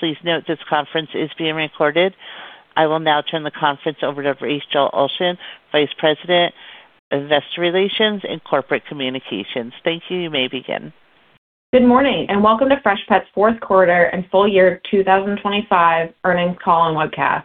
Please note this conference is being recorded. I will now turn the conference over to Rachel Ulsh, Vice President, Investor Relations and Corporate Communications. Thank you. You may begin. Good morning, welcome to Freshpet's fourth quarter and full year 2025 earnings call and webcast.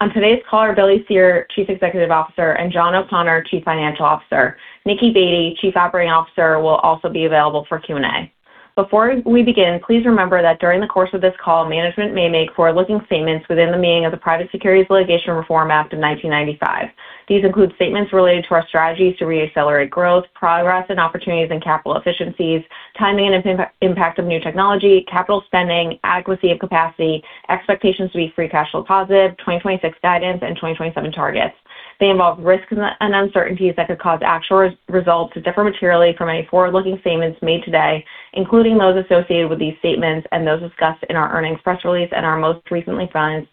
On today's call are Billy Cyr, Chief Executive Officer, and John O'Connor, Chief Financial Officer. Nicki Baty, Chief Operating Officer, will also be available for Q&A. Before we begin, please remember that during the course of this call, management may make forward-looking statements within the meaning of the Private Securities Litigation Reform Act of 1995. These include statements related to our strategies to reaccelerate growth, progress, and opportunities in capital efficiencies, timing and impact, impact of new technology, capital spending, adequacy of capacity, expectations to be free cash flow positive, 2026 guidance, and 2027 targets. They involve risks and uncertainties that could cause actual results to differ materially from any forward-looking statements made today, including those associated with these statements and those discussed in our earnings press release and our most recent filings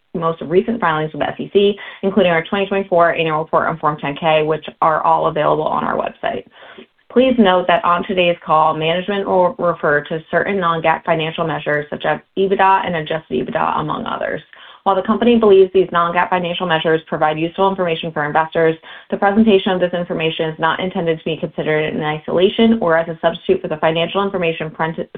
with SEC, including our 2024 annual report and Form 10-K, which are all available on our website. Please note that on today's call, management will refer to certain non-GAAP financial measures such as EBITDA and adjusted EBITDA, among others. While the company believes these non-GAAP financial measures provide useful information for investors, the presentation of this information is not intended to be considered in isolation or as a substitute for the financial information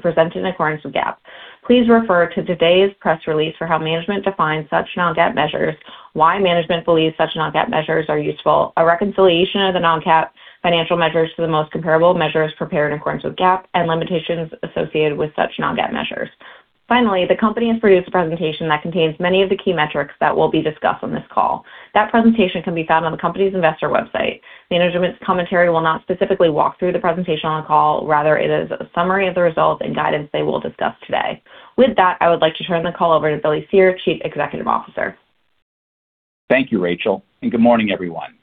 presented in accordance with GAAP. Please refer to today's press release for how management defines such non-GAAP measures, why management believes such non-GAAP measures are useful, a reconciliation of the non-GAAP financial measures to the most comparable measures prepared in accordance with GAAP, and limitations associated with such non-GAAP measures. Finally, the company has produced a presentation that contains many of the key metrics that will be discussed on this call. That presentation can be found on the company's investor website. Management's commentary will not specifically walk through the presentation on the call, rather it is a summary of the results and guidance they will discuss today. With that, I would like to turn the call over to Billy Cyr, Chief Executive Officer. Thank you, Rachel, good morning, everyone.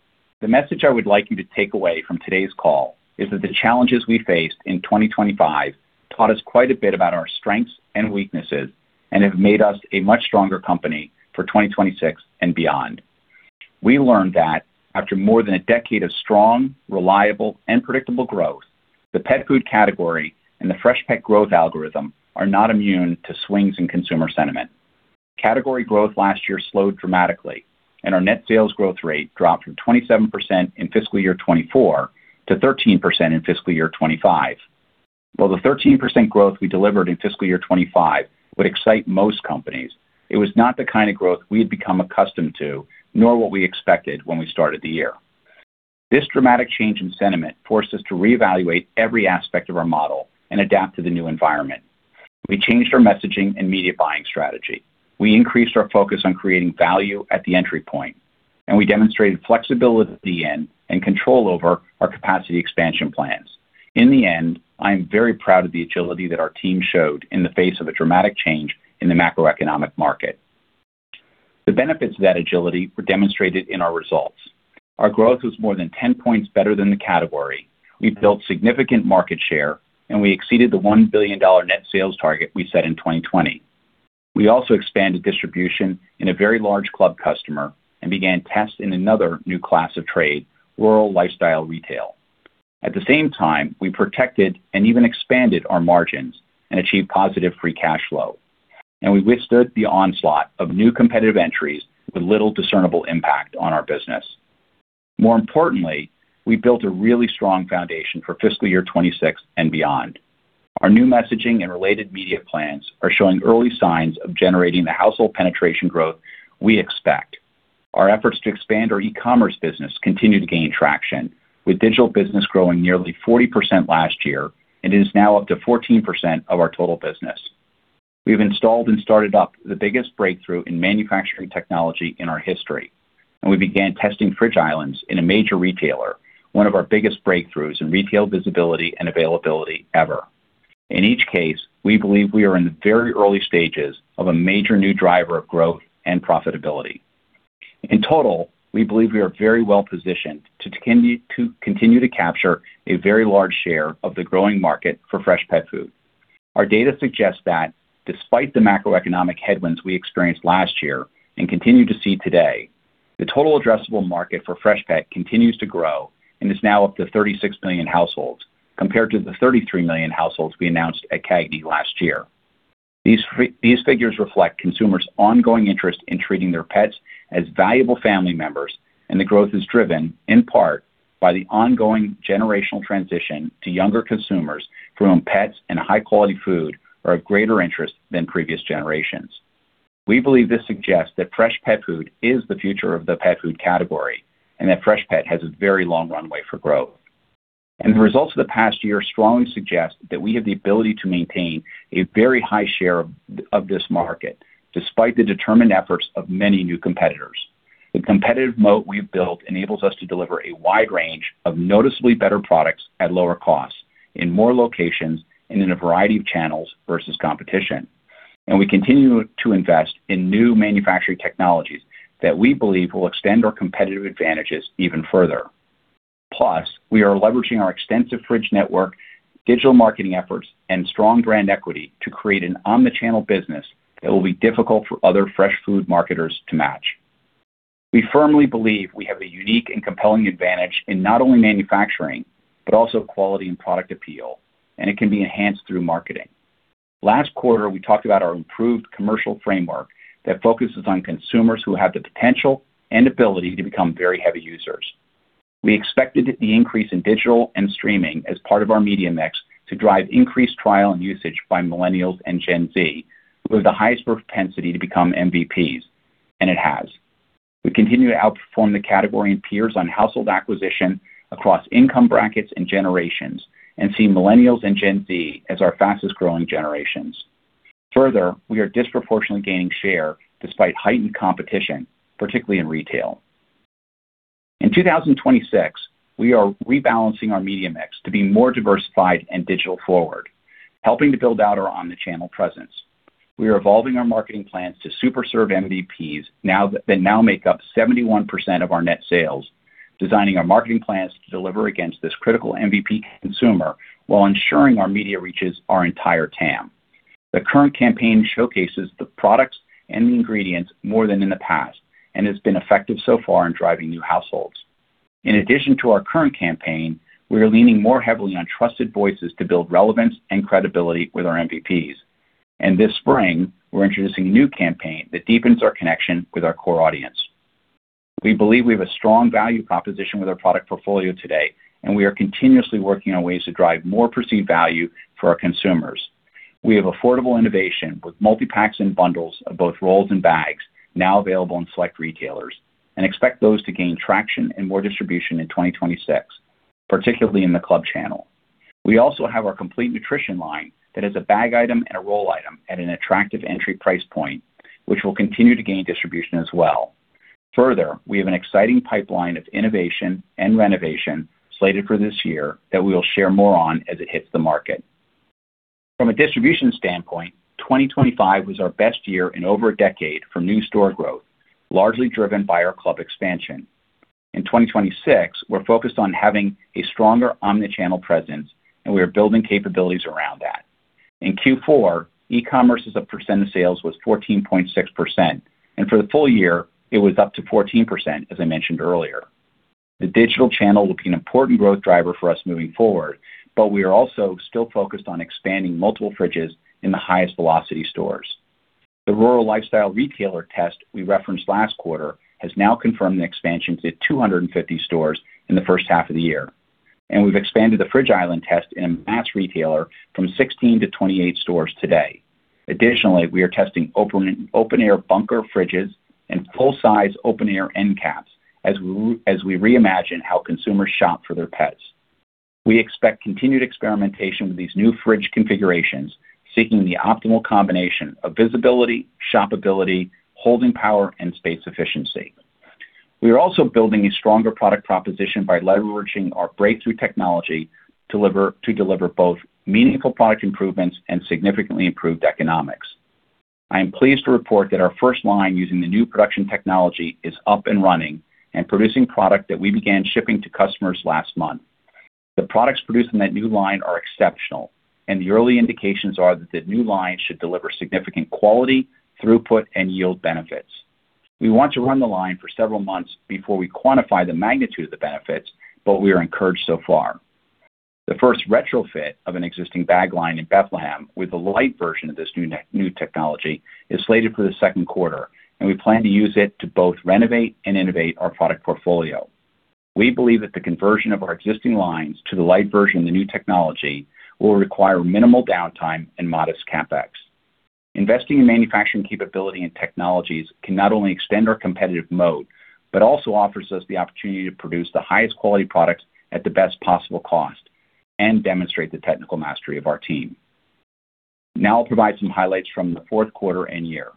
The message I would like you to take away from today's call is that the challenges we faced in 2025 taught us quite a bit about our strengths and weaknesses and have made us a much stronger company for 2026 and beyond. We learned that after more than a decade of strong, reliable, and predictable growth, the pet food category and the Freshpet growth algorithm are not immune to swings in consumer sentiment. Category growth last year slowed dramatically, and our net sales growth rate dropped from 27% in fiscal year 2024 to 13% in fiscal year 2025. While the 13% growth we delivered in fiscal year 2025 would excite most companies, it was not the kind of growth we had become accustomed to, nor what we expected when we started the year. This dramatic change in sentiment forced us to reevaluate every aspect of our model and adapt to the new environment. We changed our messaging and media buying strategy. We increased our focus on creating value at the entry point. We demonstrated flexibility in and control over our capacity expansion plans. In the end, I am very proud of the agility that our team showed in the face of a dramatic change in the macroeconomic market. The benefits of that agility were demonstrated in our results. Our growth was more than 10 points better than the category. We built significant market share. We exceeded the $1 billion net sales target we set in 2020. We also expanded distribution in a very large club customer and began tests in another new class of trade, rural lifestyle retail. At the same time, we protected and even expanded our margins and achieved positive free cash flow, and we withstood the onslaught of new competitive entries with little discernible impact on our business. More importantly, we built a really strong foundation for fiscal year 26 and beyond. Our new messaging and related media plans are showing early signs of generating the household penetration growth we expect. Our efforts to expand our e-commerce business continue to gain traction, with digital business growing nearly 40% last year and is now up to 14% of our total business. We have installed and started up the biggest breakthrough in manufacturing technology in our history, and we began testing Fridge Islands in a major retailer, one of our biggest breakthroughs in retail visibility and availability ever. In each case, we believe we are in the very early stages of a major new driver of growth and profitability. In total, we believe we are very well positioned to continue, to continue to capture a very large share of the growing market for fresh pet food. Our data suggests that despite the macroeconomic headwinds we experienced last year and continue to see today, the total addressable market for Freshpet continues to grow and is now up to 36 million households, compared to the 33 million households we announced at CAGNY last year. These figures reflect consumers' ongoing interest in treating their pets as valuable family members, and the growth is driven in part by the ongoing generational transition to younger consumers for whom pets and high-quality food are of greater interest than previous generations. We believe this suggests that fresh pet food is the future of the pet food category and that Freshpet has a very long runway for growth. The results of the past year strongly suggest that we have the ability to maintain a very high share of this market, despite the determined efforts of many new competitors. The competitive moat we've built enables us to deliver a wide range of noticeably better products at lower costs, in more locations and in a variety of channels versus competition. We continue to invest in new manufacturing technologies that we believe will extend our competitive advantages even further. Plus, we are leveraging our extensive fridge network, digital marketing efforts, and strong brand equity to create an omni-channel business that will be difficult for other fresh food marketers to match. We firmly believe we have a unique and compelling advantage in not only manufacturing, but also quality and product appeal, it can be enhanced through marketing. Last quarter, we talked about our improved commercial framework that focuses on consumers who have the potential and ability to become very heavy users. We expected the increase in digital and streaming as part of our media mix to drive increased trial and usage by Millennials and Gen Z, who have the highest propensity to become MVPs, it has. We continue to outperform the category and peers on household acquisition across income brackets and generations, see Millennials and Gen Z as our fastest growing generations. Further, we are disproportionately gaining share despite heightened competition, particularly in retail. In 2026, we are rebalancing our media mix to be more diversified and digital forward, helping to build out our omni-channel presence. We are evolving our marketing plans to super serve MVPs, they now make up 71% of our net sales, designing our marketing plans to deliver against this critical MVP consumer while ensuring our media reaches our entire TAM. The current campaign showcases the products and the ingredients more than in the past and has been effective so far in driving new households. In addition to our current campaign, we are leaning more heavily on trusted voices to build relevance and credibility with our MVPs. This spring, we're introducing a new campaign that deepens our connection with our core audience. We believe we have a strong value proposition with our product portfolio today, and we are continuously working on ways to drive more perceived value for our consumers. We have affordable innovation with multi-packs and bundles of both rolls and bags now available in select retailers, and expect those to gain traction and more distribution in 2026, particularly in the club channel. We also have our Complete Nutrition line that is a bag item and a roll item at an attractive entry price point, which will continue to gain distribution as well. Further, we have an exciting pipeline of innovation and renovation slated for this year that we will share more on as it hits the market. From a distribution standpoint, 2025 was our best year in over a decade for new store growth, largely driven by our club expansion. In 2026, we're focused on having a stronger omni-channel presence, and we are building capabilities around that. In Q4, e-commerce as a percent of sales was 14.6%, and for the full year, it was up to 14% as I mentioned earlier. The digital channel will be an important growth driver for us moving forward, but we are also still focused on expanding multiple fridges in the highest velocity stores. The rural lifestyle retailer test we referenced last quarter has now confirmed an expansion to 250 stores in the first half of the year, and we've expanded the Fridge Islands test in a mass retailer from 16 stores-28 stores today. Additionally, we are testing open air bunker fridges and full-size open air end caps as we reimagine how consumers shop for their pets. We expect continued experimentation with these new fridge configurations, seeking the optimal combination of visibility, shopability, holding power, and space efficiency. We are also building a stronger product proposition by leveraging our breakthrough technology to deliver both meaningful product improvements and significantly improved economics. I am pleased to report that our first line using the new production technology is up and running and producing product that we began shipping to customers last month. The products produced in that new line are exceptional, and the early indications are that the new line should deliver significant quality, throughput, and yield benefits. We want to run the line for several months before we quantify the magnitude of the benefits, but we are encouraged so far. The first retrofit of an existing bag line in Bethlehem, with a light version of this new technology, is slated for the second quarter. We plan to use it to both renovate and innovate our product portfolio. We believe that the conversion of our existing lines to the light version of the new technology will require minimal downtime and modest CapEx. Investing in manufacturing capability and technologies can not only extend our competitive moat, also offers us the opportunity to produce the highest quality products at the best possible cost and demonstrate the technical mastery of our team. I'll provide some highlights from the fourth quarter and year.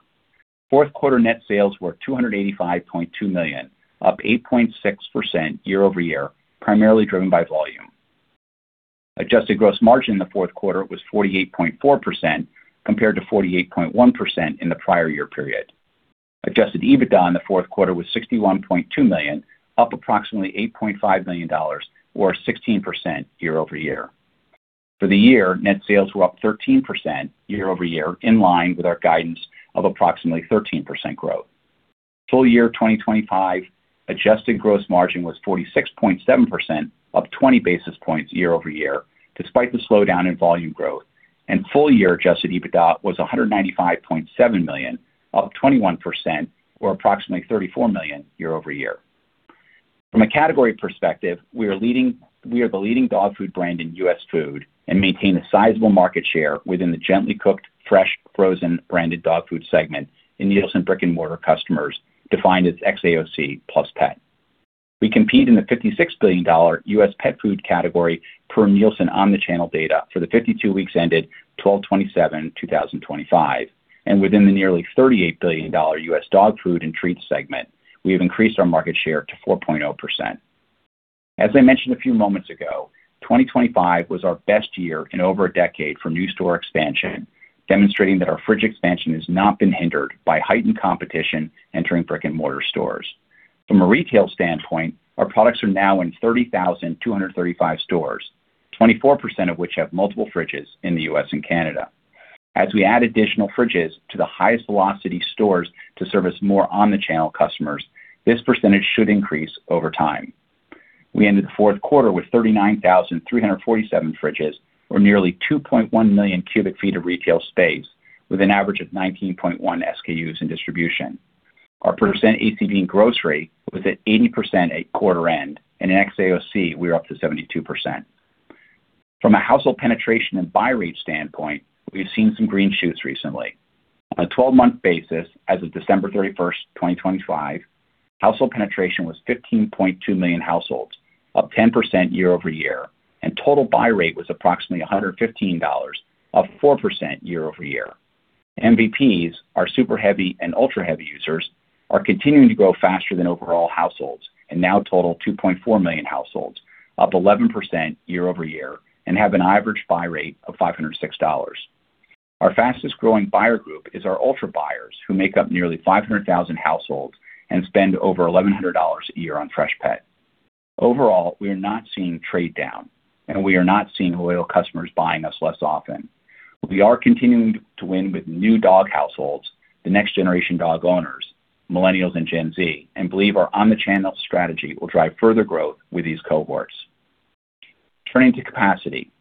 Fourth quarter net sales were $285.2 million, up 8.6% year-over-year, primarily driven by volume. Adjusted gross margin in the fourth quarter was 48.4%, compared to 48.1% in the prior year period. Adjusted EBITDA in the fourth quarter was $61.2 million, up approximately $8.5 million, or 16% year-over-year. For the year, net sales were up 13% year-over-year, in line with our guidance of approximately 13% growth. Full year 2025 adjusted gross margin was 46.7%, up 20 basis points year-over-year, despite the slowdown in volume growth. Full year adjusted EBITDA was $195.7 million, up 21% or approximately $34 million year-over-year. From a category perspective, we are the leading dog food brand in US food and maintain a sizable market share within the gently cooked, fresh, frozen, branded dog food segment in Nielsen brick-and-mortar customers, defined as xAOC plus pet. We compete in the $56 billion US pet food category per Nielsen Omni-Channel data for the 52 weeks ended December 27, 2025, and within the nearly $38 billion US dog food and treats segment, we have increased our market share to 4.0%. As I mentioned a few moments ago, 2025 was our best year in over a decade for new store expansion, demonstrating that our fridge expansion has not been hindered by heightened competition entering brick-and-mortar stores. From a retail standpoint, our products are now in 30,235 stores, 24% of which have multiple fridges in the US and Canada. As we add additional fridges to the highest velocity stores to service more omni-channel customers, this percentage should increase over time. We ended the fourth quarter with 39,347 fridges, or nearly 2.1 million cubic feet of retail space, with an average of 19.1 SKUs in distribution. Our percent ACV in grocery was at 80% at quarter end, and in xAOC, we are up to 72%. From a household penetration and buy rate standpoint, we've seen some green shoots recently. On a 12-month basis, as of December 31, 2025, household penetration was 15.2 million households, up 10% year-over-year. Total buy rate was approximately $115, up 4% year-over-year. MVPs, our super heavy and ultra-heavy users, are continuing to grow faster than overall households and now total 2.4 million households, up 11% year-over-year, and have an average buy rate of $506. Our fastest growing buyer group is our ultra buyers, who make up nearly 500,000 households and spend over $1,100 a year on Freshpet. Overall, we are not seeing trade down. We are not seeing loyal customers buying us less often. We are continuing to win with new dog households, the next generation dog owners, Millennials, and Gen Z, believe our omni-channel strategy will drive further growth with these cohorts. Turning to capacity.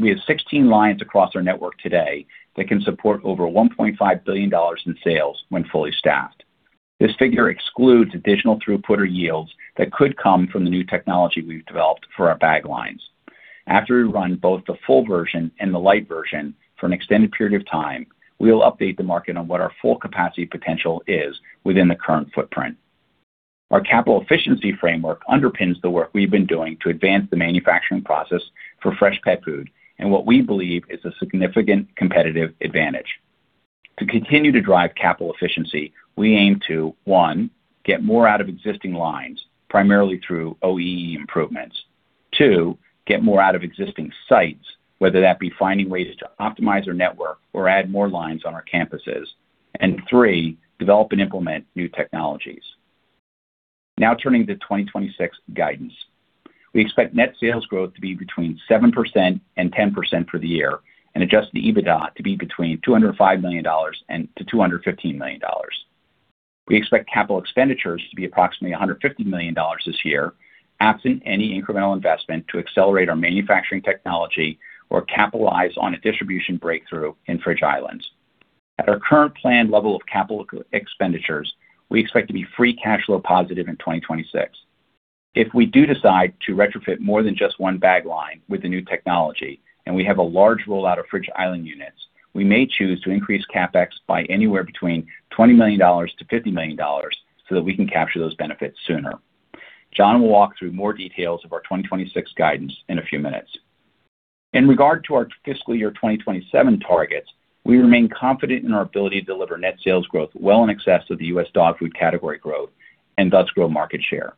We have 16 lines across our network today that can support over $1.5 billion in sales when fully staffed. This figure excludes additional throughput or yields that could come from the new technology we've developed for our bag lines. After we run both the full version and the light version for an extended period of time, we will update the market on what our full capacity potential is within the current footprint. Our capital efficiency framework underpins the work we've been doing to advance the manufacturing process for Freshpet food and what we believe is a significant competitive advantage. To continue to drive capital efficiency, we aim to, one, get more out of existing lines, primarily through OEE improvements. Two, get more out of existing sites, whether that be finding ways to optimize our network or add more lines on our campuses. Three, develop and implement new technologies. Turning to 2026 guidance. We expect net sales growth to be between 7% and 10% for the year and adjusted EBITDA to be between $205 million and $215 million. We expect capital expenditures to be approximately $150 million this year, absent any incremental investment to accelerate our manufacturing technology or capitalize on a distribution breakthrough in Fridge Islands. At our current planned level of capital expenditures, we expect to be free cash flow positive in 2026. If we do decide to retrofit more than just one bag line with the new technology, and we have a large rollout of Fridge Islands, we may choose to increase CapEx by anywhere between $20 million-$50 million so that we can capture those benefits sooner. John will walk through more details of our 2026 guidance in a few minutes. In regard to our fiscal year 2027 targets, we remain confident in our ability to deliver net sales growth well in excess of the US dog food category growth and thus grow market share.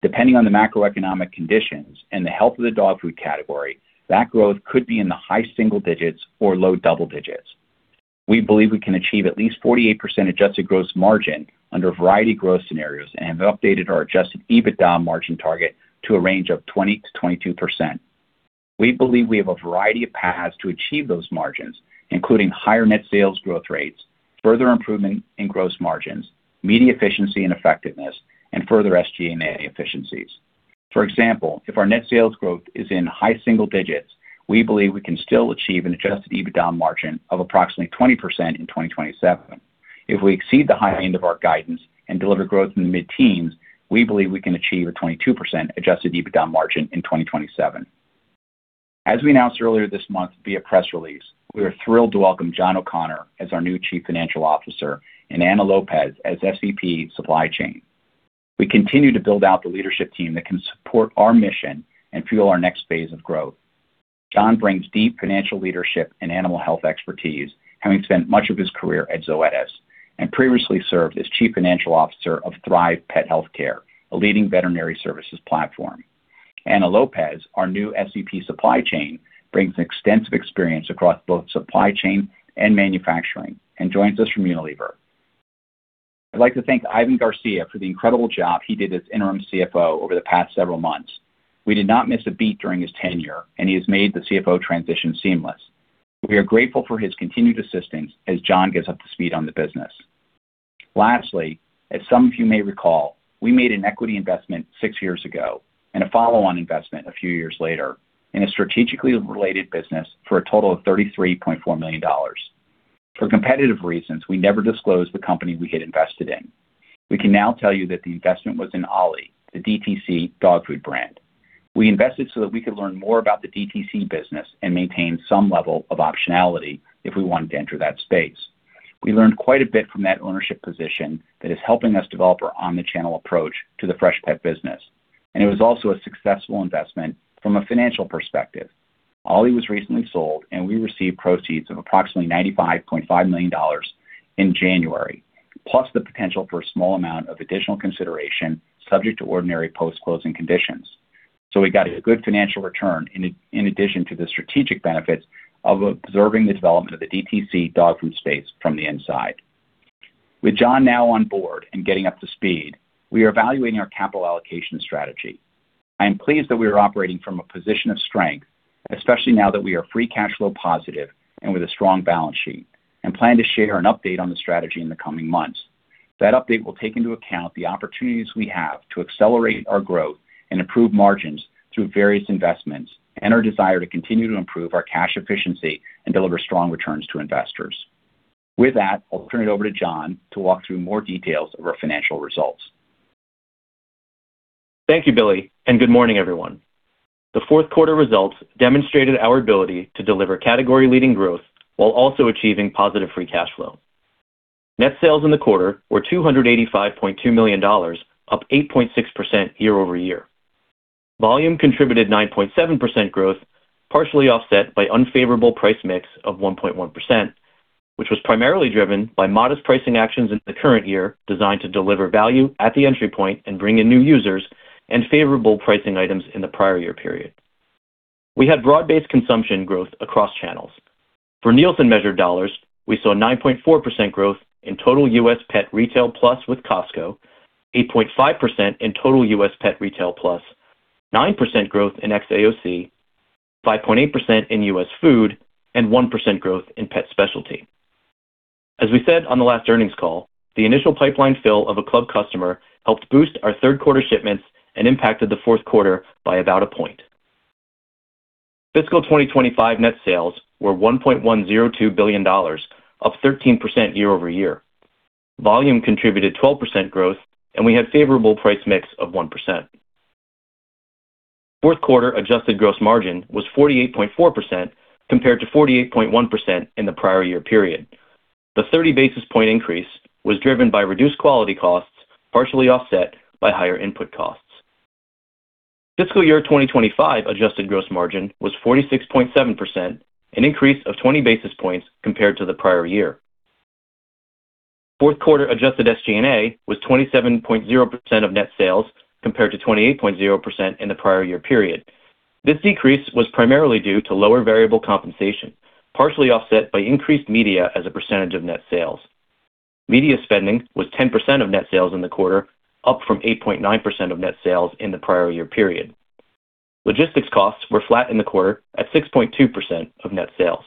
Depending on the macroeconomic conditions and the health of the dog food category, that growth could be in the high single digits or low double digits. We believe we can achieve at least 48% adjusted gross margin under a variety of growth scenarios and have updated our adjusted EBITDA margin target to a range of 20%-22%. We believe we have a variety of paths to achieve those margins, including higher net sales growth rates, further improvement in gross margins, media efficiency and effectiveness, and further SG&A efficiencies. For example, if our net sales growth is in high single digits, we believe we can still achieve an adjusted EBITDA margin of approximately 20% in 2027. If we exceed the high end of our guidance and deliver growth in the mid-teens, we believe we can achieve a 22% adjusted EBITDA margin in 2027. As we announced earlier this month via press release, we are thrilled to welcome John O'Connor as our new Chief Financial Officer and Ana Lopez as SVP, Supply Chain. We continue to build out the leadership team that can support our mission and fuel our next phase of growth. John brings deep financial leadership and animal health expertise, having spent much of his career at Zoetis, and previously served as Chief Financial Officer of Thrive Pet Healthcare, a leading veterinary services platform. Ana Lopez, our new SVP, Supply Chain, brings extensive experience across both supply chain and manufacturing and joins us from Unilever. I'd like to thank Ivan Garcia for the incredible job he did as interim CFO over the past several months. We did not miss a beat during his tenure, and he has made the CFO transition seamless. We are grateful for his continued assistance as John gets up to speed on the business. Lastly, as some of you may recall, we made an equity investment six years ago and a follow-on investment a few years later in a strategically related business for a total of $33.4 million. For competitive reasons, we never disclosed the company we had invested in. We can now tell you that the investment was in Ollie, the DTC dog food brand. We invested so that we could learn more about the DTC business and maintain some level of optionality if we wanted to enter that space. We learned quite a bit from that ownership position that is helping us develop our on-the-channel approach to the Freshpet business, and it was also a successful investment from a financial perspective. Ollie was recently sold, and we received proceeds of approximately $95.5 million in January, plus the potential for a small amount of additional consideration subject to ordinary post-closing conditions. We got a good financial return in, in addition to the strategic benefits of observing the development of the DTC dog food space from the inside... With John now on board and getting up to speed, we are evaluating our capital allocation strategy. I am pleased that we are operating from a position of strength, especially now that we are free cash flow positive and with a strong balance sheet, and plan to share an update on the strategy in the coming months. That update will take into account the opportunities we have to accelerate our growth and improve margins through various investments, and our desire to continue to improve our cash efficiency and deliver strong returns to investors. With that, I'll turn it over to John to walk through more details of our financial results. Thank you, Billy. Good morning, everyone. The fourth quarter results demonstrated our ability to deliver category-leading growth while also achieving positive free cash flow. Net sales in the quarter were $285.2 million, up 8.6% year-over-year. Volume contributed 9.7% growth, partially offset by unfavorable price mix of 1.1%, which was primarily driven by modest pricing actions in the current year, designed to deliver value at the entry point and bring in new users, and favorable pricing items in the prior year period. We had broad-based consumption growth across channels. For Nielsen-measured dollars, we saw 9.4% growth in total US pet retail, plus with Costco, 8.5% in total US pet retail plus, 9% growth in xAOC, 5.8% in US food, and 1% growth in pet specialty. As we said on the last earnings call, the initial pipeline fill of a club customer helped boost our third quarter shipments and impacted the fourth quarter by about a point. Fiscal 2025 net sales were $1.102 billion, up 13% year-over-year. Volume contributed 12% growth, and we had favorable price mix of 1%. Fourth quarter adjusted gross margin was 48.4%, compared to 48.1% in the prior year period. The 30 basis point increase was driven by reduced quality costs, partially offset by higher input costs. Fiscal year 2025 adjusted gross margin was 46.7%, an increase of 20 basis points compared to the prior year. Fourth quarter adjusted SG&A was 27.0% of net sales, compared to 28.0% in the prior year period. This decrease was primarily due to lower variable compensation, partially offset by increased media as a percentage of net sales. Media spending was 10% of net sales in the quarter, up from 8.9% of net sales in the prior year period. Logistics costs were flat in the quarter at 6.2% of net sales.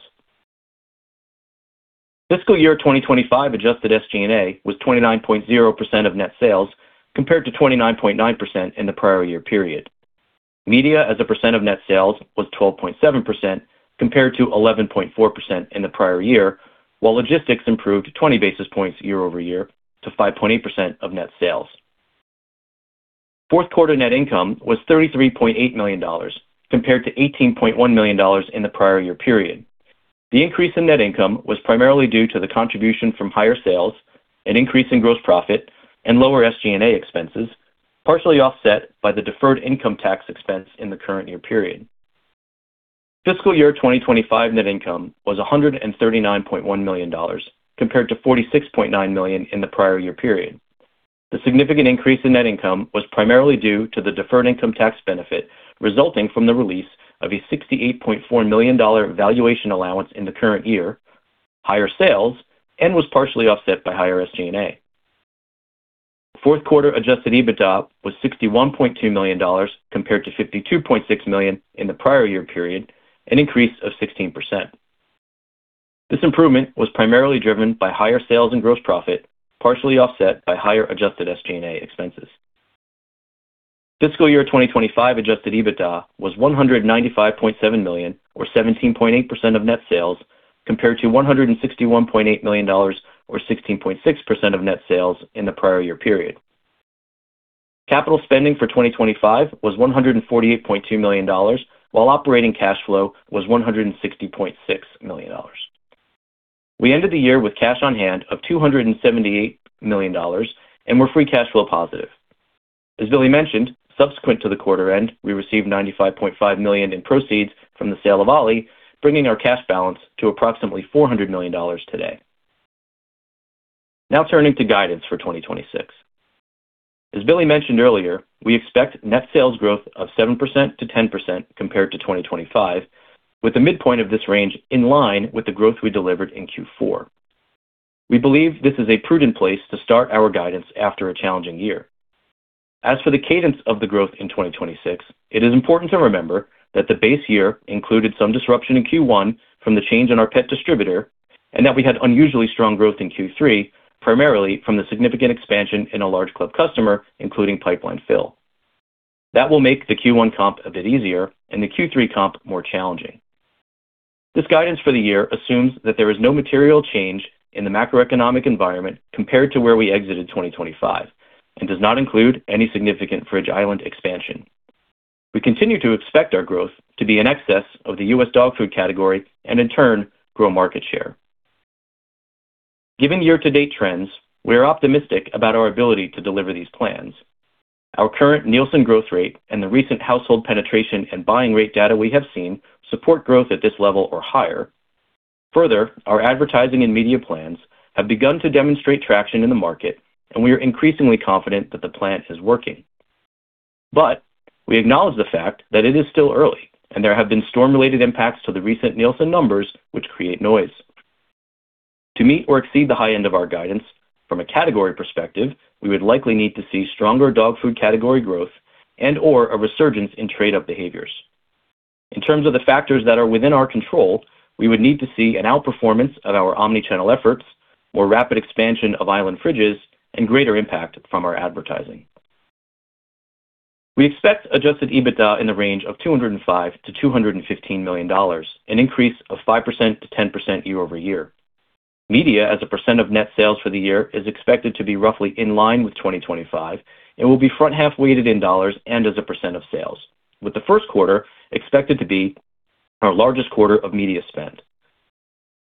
Fiscal year 2025 adjusted SG&A was 29.0% of net sales, compared to 29.9% in the prior year period. Media as a percent of net sales was 12.7%, compared to 11.4% in the prior year, while logistics improved 20 basis points year-over-year to 5.8% of net sales. Fourth quarter net income was $33.8 million, compared to $18.1 million in the prior year period. The increase in net income was primarily due to the contribution from higher sales, an increase in gross profit, and lower SG&A expenses, partially offset by the deferred income tax expense in the current year period. Fiscal year 2025 net income was $139.1 million, compared to $46.9 million in the prior year period. The significant increase in net income was primarily due to the deferred income tax benefit, resulting from the release of a $68.4 million valuation allowance in the current year, higher sales, and was partially offset by higher SG&A. Fourth quarter adjusted EBITDA was $61.2 million, compared to $52.6 million in the prior year period, an increase of 16%. This improvement was primarily driven by higher sales and gross profit, partially offset by higher adjusted SG&A expenses. Fiscal year 2025 adjusted EBITDA was $195.7 million, or 17.8% of net sales, compared to $161.8 million, or 16.6% of net sales in the prior year period. Capital spending for 2025 was $148.2 million, while operating cash flow was $160.6 million. We ended the year with cash on hand of $278 million and were free cash flow positive. As Billy mentioned, subsequent to the quarter end, we received $95.5 million in proceeds from the sale of Ollie, bringing our cash balance to approximately $400 million today. Turning to guidance for 2026. As Billy mentioned earlier, we expect net sales growth of 7%-10% compared to 2025, with the midpoint of this range in line with the growth we delivered in Q4. We believe this is a prudent place to start our guidance after a challenging year. As for the cadence of the growth in 2026, it is important to remember that the base year included some disruption in Q1 from the change in our pet distributor, and that we had unusually strong growth in Q3, primarily from the significant expansion in a large club customer, including pipeline fill. Will make the Q1 comp a bit easier and the Q3 comp more challenging. This guidance for the year assumes that there is no material change in the macroeconomic environment compared to where we exited 2025 and does not include any significant Fridge Island expansion. We continue to expect our growth to be in excess of the U.S. dog food category and in turn, grow market share. Given year-to-date trends, we are optimistic about our ability to deliver these plans. Our current Nielsen growth rate and the recent household penetration and buying rate data we have seen support growth at this level or higher. Our advertising and media plans have begun to demonstrate traction in the market, and we are increasingly confident that the plan is working. We acknowledge the fact that it is still early, and there have been storm-related impacts to the recent Nielsen numbers, which create noise. To meet or exceed the high end of our guidance, from a category perspective, we would likely need to see stronger dog food category growth and/or a resurgence in trade-up behaviors. In terms of the factors that are within our control, we would need to see an outperformance of our omni-channel efforts, more rapid expansion of Island fridges, and greater impact from our advertising. We expect adjusted EBITDA in the range of $205 million-$215 million, an increase of 5%-10% year-over-year. Media, as a percent of net sales for the year, is expected to be roughly in line with 2025 and will be front-half weighted in dollars and as a percent of sales, with the first quarter expected to be our largest quarter of media spend.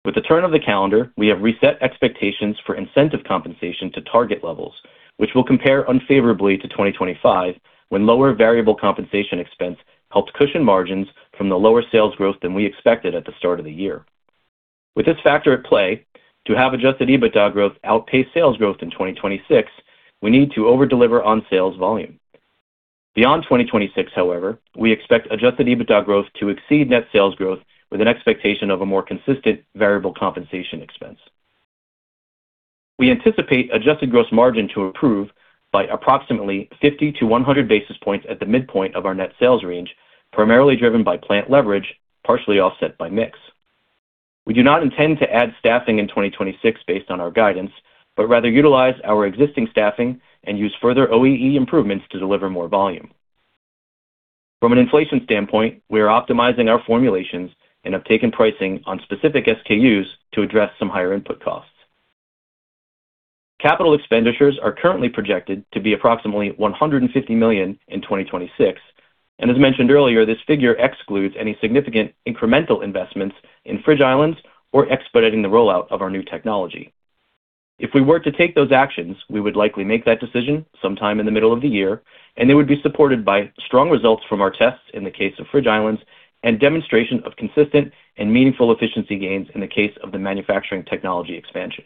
With the turn of the calendar, we have reset expectations for incentive compensation to target levels, which will compare unfavorably to 2025, when lower variable compensation expense helped cushion margins from the lower sales growth than we expected at the start of the year. With this factor at play, to have adjusted EBITDA growth outpace sales growth in 2026, we need to over-deliver on sales volume. Beyond 2026, however, we expect adjusted EBITDA growth to exceed net sales growth with an expectation of a more consistent variable compensation expense. We anticipate adjusted gross margin to improve by approximately 50 basis points to 100 basis points at the midpoint of our net sales range, primarily driven by plant leverage, partially offset by mix. We do not intend to add staffing in 2026 based on our guidance, but rather utilize our existing staffing and use further OEE improvements to deliver more volume. From an inflation standpoint, we are optimizing our formulations and have taken pricing on specific SKUs to address some higher input costs. Capital expenditures are currently projected to be approximately $150 million in 2026, and as mentioned earlier, this figure excludes any significant incremental investments in Fridge Islands or expediting the rollout of our new technology. If we were to take those actions, we would likely make that decision sometime in the middle of the year. They would be supported by strong results from our tests in the case of Fridge Islands, and demonstration of consistent and meaningful efficiency gains in the case of the manufacturing technology expansion.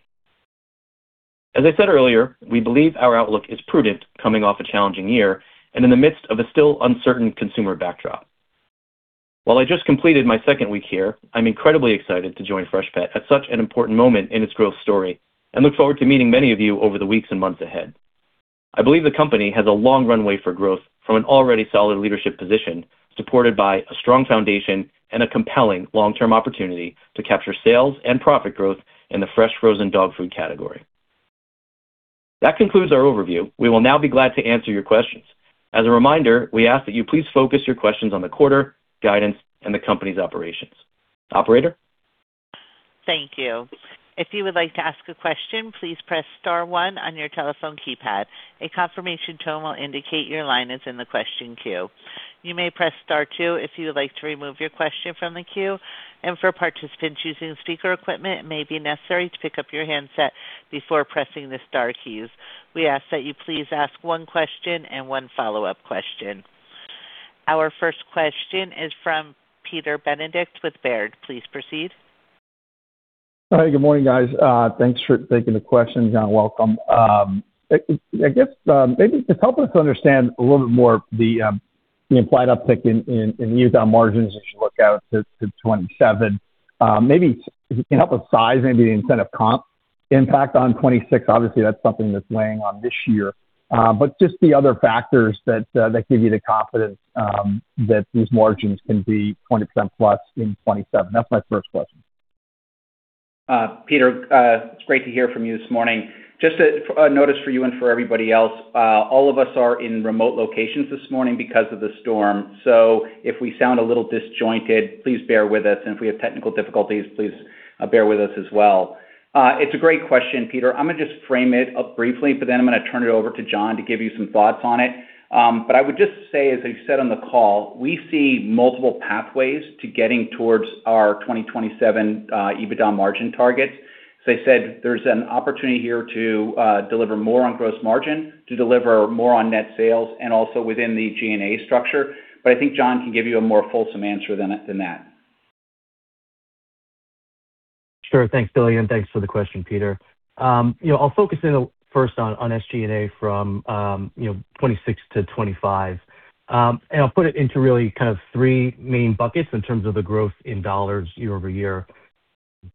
As I said earlier, we believe our outlook is prudent coming off a challenging year and in the midst of a still uncertain consumer backdrop. While I just completed my second week here, I'm incredibly excited to join Freshpet at such an important moment in its growth story and look forward to meeting many of you over the weeks and months ahead. I believe the company has a long runway for growth from an already solid leadership position, supported by a strong foundation and a compelling long-term opportunity to capture sales and profit growth in the fresh frozen dog food category. That concludes our overview. We will now be glad to answer your questions. As a reminder, we ask that you please focus your questions on the quarter, guidance, and the company's operations. Operator? Thank you. If you would like to ask a question, please press star one on your telephone keypad. A confirmation tone will indicate your line is in the question queue. You may press Star two if you would like to remove your question from the queue. For participants using speaker equipment, it may be necessary to pick up your handset before pressing the star keys. We ask that you please ask one question and one follow-up question. Our first question is from Peter Benedict with Baird. Please proceed. Hi, good morning, guys. Thanks for taking the questions, John. Welcome. I, I guess, maybe just help us understand a little bit more the implied uptick in EBITDA margins as you look out to 2027. Maybe if you can help us size, maybe the incentive comp impact on 2026. Obviously, that's something that's weighing on this year. But just the other factors that give you the confidence that these margins can be 20% plus in 2027. That's my first question. Peter, it's great to hear from you this morning. Just a, a notice for you and for everybody else. All of us are in remote locations this morning because of the storm. If we sound a little disjointed, please bear with us, and if we have technical difficulties, please bear with us as well. It's a great question, Peter. I'm going to just frame it up briefly, then I'm going to turn it over to John to give you some thoughts on it. I would just say, as I said on the call, we see multiple pathways to getting towards our 2027 EBITDA margin targets. As I said, there's an opportunity here to deliver more on gross margin, to deliver more on net sales and also within the G&A structure. I think John can give you a more fulsome answer than, than that. Sure. Thanks, Billy, and thanks for the question, Peter. You know, I'll focus in first on, on SG&A from, you know, 26 to 25. I'll put it into really kind of three main buckets in terms of the growth in dollars year-over-year.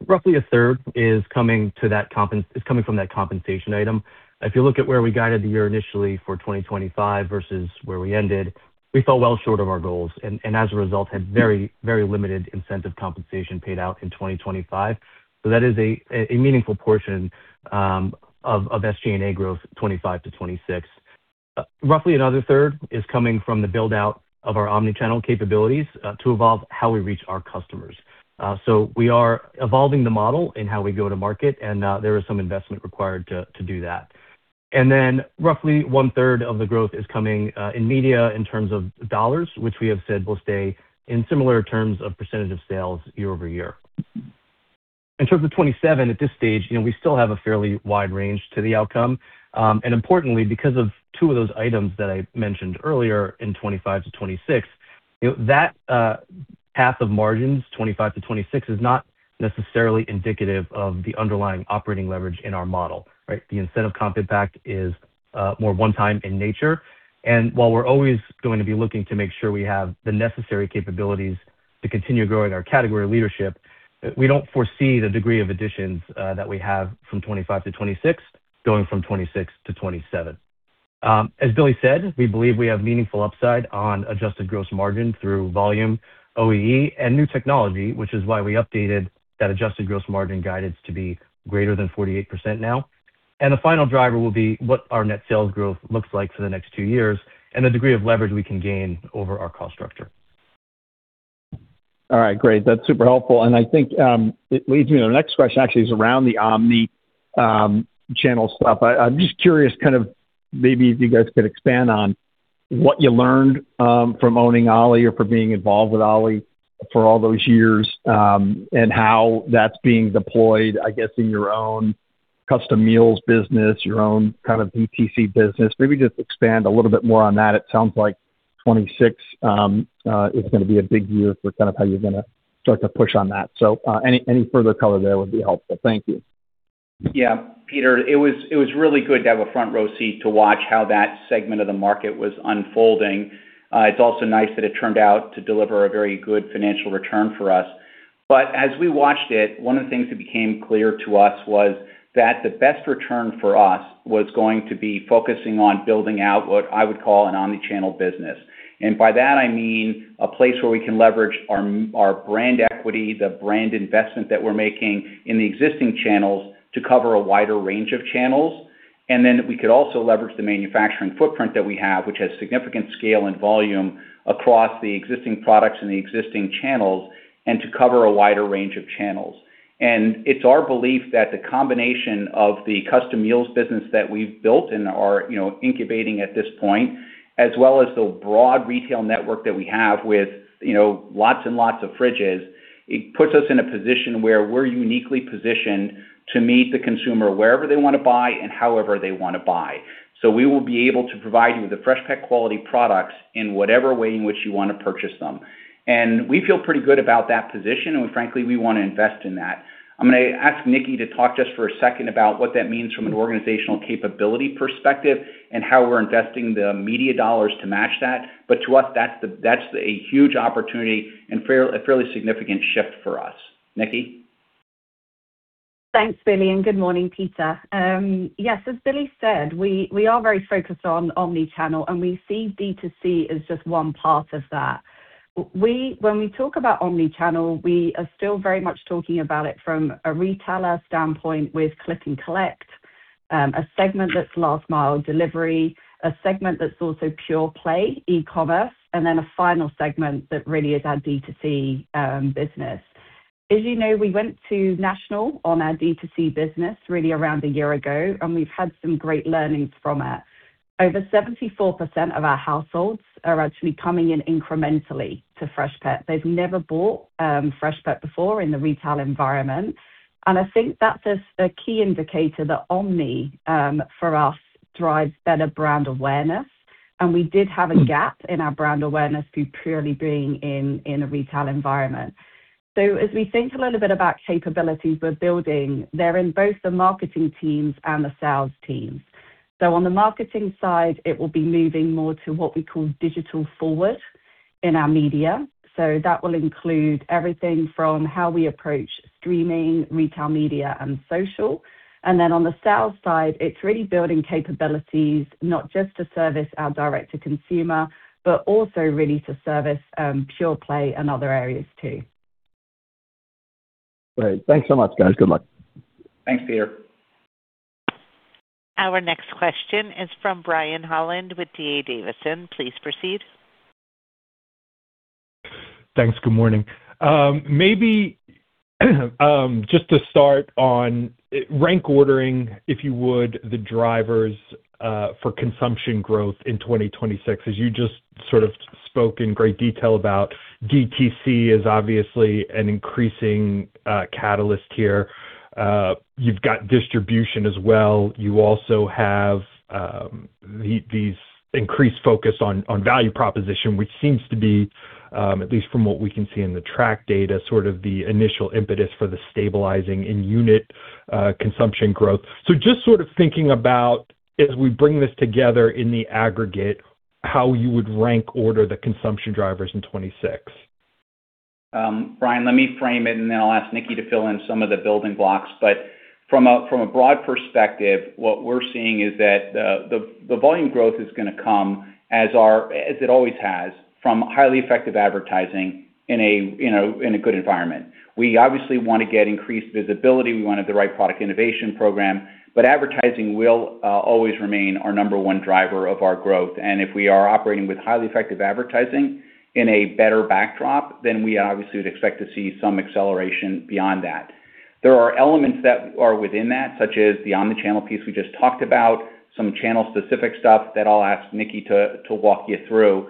Roughly a third is coming from that compensation item. If you look at where we guided the year initially for 2025 versus where we ended, we fell well short of our goals, and as a result, had very, very limited incentive compensation paid out in 2025. That is a, a meaningful portion, of, of SG&A growth, 25-26. Roughly another third is coming from the build-out of our omni-channel capabilities, to evolve how we reach our customers. We are evolving the model in how we go to market, and there is some investment required to, to do that. Then roughly 1/3 of the growth is coming in media in terms of percent, which we have said will stay in similar terms of % of sales year-over-year. In terms of 27, at this stage, you know, we still have a fairly wide range to the outcome. Importantly, because of two of those items that I mentioned earlier in 25-26- That path of margins, 2025-2026, is not necessarily indicative of the underlying operating leverage in our model, right? The incentive comp impact is more one time in nature. While we're always going to be looking to make sure we have the necessary capabilities to continue growing our category leadership, we don't foresee the degree of additions that we have from 2025-2026, going from 2026 to 2027. As Billy said, we believe we have meaningful upside on adjusted gross margin through volume, OEE, and new technology, which is why we updated that adjusted gross margin guidance to be greater than 48% now. The final driver will be what our net sales growth looks like for the next two years and the degree of leverage we can gain over our cost structure. All right, great. That's super helpful. I think it leads me to the next question actually is around the omni channel stuff. I, I'm just curious, kind of maybe if you guys could expand on what you learned from owning Ollie or from being involved with Ollie for all those years, and how that's being deployed, I guess, in your own Custom Meals business, your own kind of DTC business. Maybe just expand a little bit more on that. It sounds like 26 is gonna be a big year for kind of how you're gonna start to push on that. Any further color there would be helpful. Thank you. Yeah, Peter, it was, it was really good to have a front row seat to watch how that segment of the market was unfolding. It's also nice that it turned out to deliver a very good financial return for us. As we watched it, one of the things that became clear to us was that the best return for us was going to be focusing on building out what I would call an omni-channel business. By that I mean a place where we can leverage our brand equity, the brand investment that we're making in the existing channels, to cover a wider range of channels. Then we could also leverage the manufacturing footprint that we have, which has significant scale and volume across the existing products and the existing channels, and to cover a wider range of channels. It's our belief that the combination of the Custom Meals business that we've built and are, you know, incubating at this point, as well as the broad retail network that we have with, you know, lots and lots of fridges, it puts us in a position where we're uniquely positioned to meet the consumer wherever they wanna buy and however they wanna buy. We will be able to provide you with the Freshpet quality products in whatever way in which you wanna purchase them. We feel pretty good about that position, and frankly, we wanna invest in that. I'm gonna ask Nicki to talk just for a second about what that means from an organizational capability perspective and how we're investing the media dollars to match that. To us, that's the, that's a huge opportunity and a fairly significant shift for us. Nicki? Thanks, Billy, and good morning, Peter. Yes, as Billy said, we, we are very focused on omni-channel, and we see D2C as just one part of that. When we talk about omni-channel, we are still very much talking about it from a retailer standpoint with click and collect, a segment that's last mile delivery, a segment that's also pure play e-commerce, and then a final segment that really is our D2C business. As you know, we went to national on our D2C business, really around a year ago, and we've had some great learnings from it. Over 74% of our households are actually coming in incrementally to Freshpet. They've never bought Freshpet before in the retail environment, and I think that is a key indicator that omni for us, drives better brand awareness. We did have a gap in our brand awareness through purely being in, in a retail environment. As we think a little bit about capabilities we're building, they're in both the marketing teams and the sales teams. On the marketing side, it will be moving more to what we call digital forward in our media. That will include everything from how we approach streaming, retail media, and social. Then on the sales side, it's really building capabilities, not just to service our direct to consumer, but also really to service, pure play and other areas too. Great. Thanks so much, guys. Good luck. Thanks, Peter. Our next question is from Brian Holland with D.A. Davidson. Please proceed. Thanks, good morning. Maybe, just to start on, rank ordering, if you would, the drivers for consumption growth in 2026, as you just sort of spoke in great detail about DTC is obviously an increasing catalyst here. You've got distribution as well. You also have these increased focus on value proposition, which seems to be, at least from what we can see in the track data, sort of the initial impetus for the stabilizing in unit consumption growth. Just sort of thinking about, as we bring this together in the aggregate, how you would rank order the consumption drivers in 2026. Brian, let me frame it, and then I'll ask Nicki to fill in some of the building blocks. From a, from a broad perspective, what we're seeing is that the, the, the volume growth is gonna come as it always has, from highly effective advertising in a, you know, in a good environment. We obviously want to get increased visibility. We want the right product innovation program, but advertising will always remain our number one driver of our growth. If we are operating with highly effective advertising in a better backdrop, then we obviously would expect to see some acceleration beyond that. There are elements that are within that, such as the omni-channel piece we just talked about, some channel-specific stuff that I'll ask Nicki to walk you through.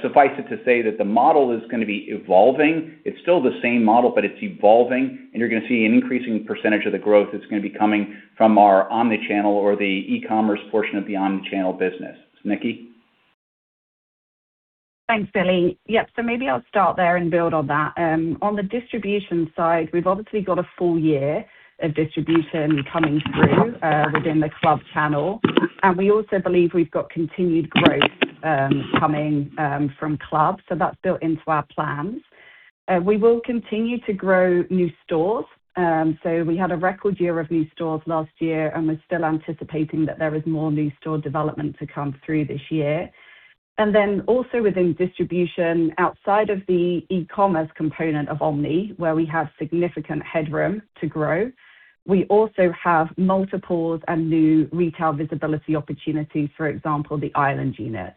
Suffice it to say that the model is gonna be evolving. It's still the same model, but it's evolving, and you're gonna see an increasing percentage of the growth that's gonna be coming from our omni-channel or the e-commerce portion of the omni-channel business. Nicki? Thanks, Billy. Yep. Maybe I'll start there and build on that. On the distribution side, we've obviously got a full year of distribution coming through within the club channel, and we also believe we've got continued growth coming from clubs, so that's built into our plans. We will continue to grow new stores. We had a record year of new stores last year, and we're still anticipating that there is more new store development to come through this year. Also within distribution, outside of the e-commerce component of omni, where we have significant headroom to grow, we also have multiples and new retail visibility opportunities, for example, the island units.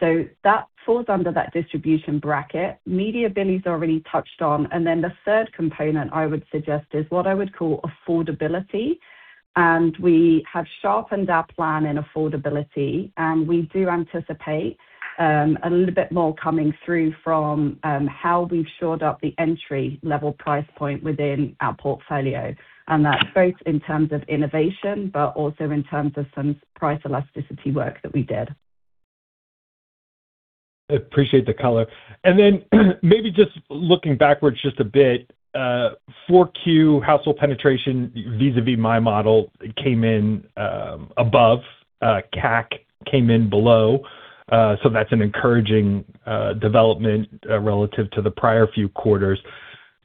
That falls under that distribution bracket. Media, Billy's already touched on, and then the third component I would suggest is what I would call affordability, and we have sharpened our plan in affordability, and we do anticipate a little bit more coming through from how we've shored up the entry-level price point within our portfolio. That's both in terms of innovation, but also in terms of some price elasticity work that we did. Appreciate the color. Maybe just looking backwards just a bit, 4Q household penetration, vis-à-vis my model came in above, CAC came in below. That's an encouraging development relative to the prior few quarters.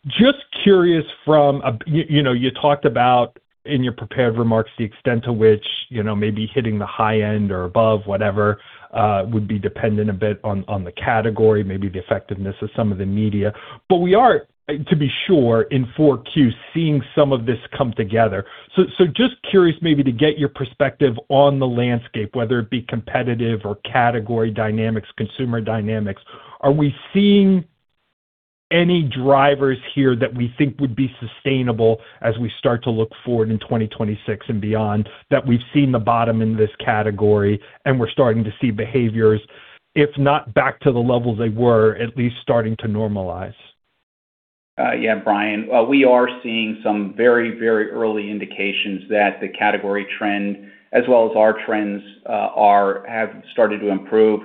Just curious from a, you know, you talked about in your prepared remarks, the extent to which, you know, maybe hitting the high end or above whatever, would be dependent a bit on the category, maybe the effectiveness of some of the media. We are, to be sure, in 4Qs, seeing some of this come together. Just curious maybe to get your perspective on the landscape, whether it be competitive or category dynamics, consumer dynamics. Are we seeing any drivers here that we think would be sustainable as we start to look forward in 2026 and beyond, that we've seen the bottom in this category, and we're starting to see behaviors, if not back to the levels they were, at least starting to normalize? Yeah, Brian, we are seeing some very, very early indications that the category trend, as well as our trends, are, have started to improve.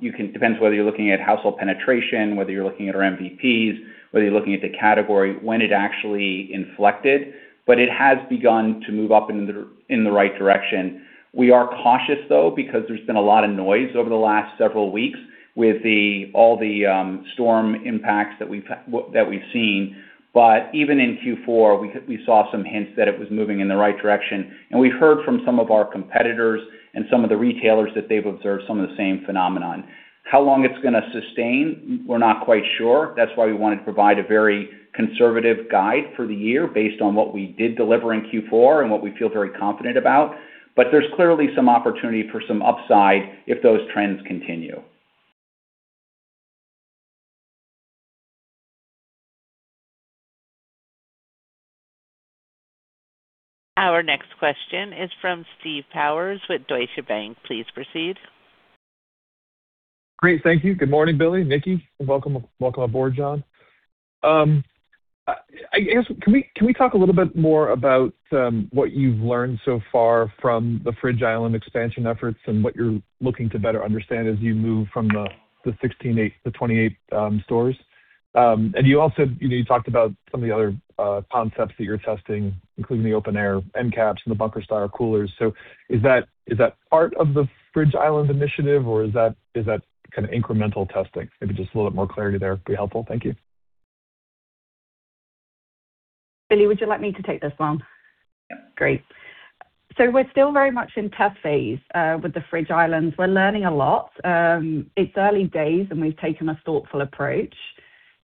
You can, depends on whether you're looking at household penetration, whether you're looking at our MVPs, whether you're looking at the category, when it actually inflected, but it has begun to move up in the, in the right direction. We are cautious, though, because there's been a lot of noise over the last several weeks with the, all the, storm impacts that we've, w- that we've seen. But even in Q4, we, we saw some hints that it was moving in the right direction. And we heard from some of our competitors and some of the retailers that they've observed some of the same phenomenon. How long it's gonna sustain? We're not quite sure. That's why we wanted to provide a very conservative guide for the year based on what we did deliver in Q4 and what we feel very confident about. There's clearly some opportunity for some upside if those trends continue. Our next question is from Steve Powers with Deutsche Bank. Please proceed. Great, thank you. Good morning, Billy, Nicki, and welcome, welcome aboard, John. I guess, can we, can we talk a little bit more about what you've learned so far from the Fridge Island expansion efforts and what you're looking to better understand as you move from the 16 stores, 8 stores, the 28 stores? You also, you know, you talked about some of the other concepts that you're testing, including the open air end caps and the bunker-style coolers. Is that, is that part of the Fridge Island initiative, or is that, is that kind of incremental testing? Maybe just a little bit more clarity there would be helpful. Thank you. Billy, would you like me to take this one? Yep. Great. We're still very much in test phase with the Fridge Islands. We're learning a lot. It's early days, and we've taken a thoughtful approach.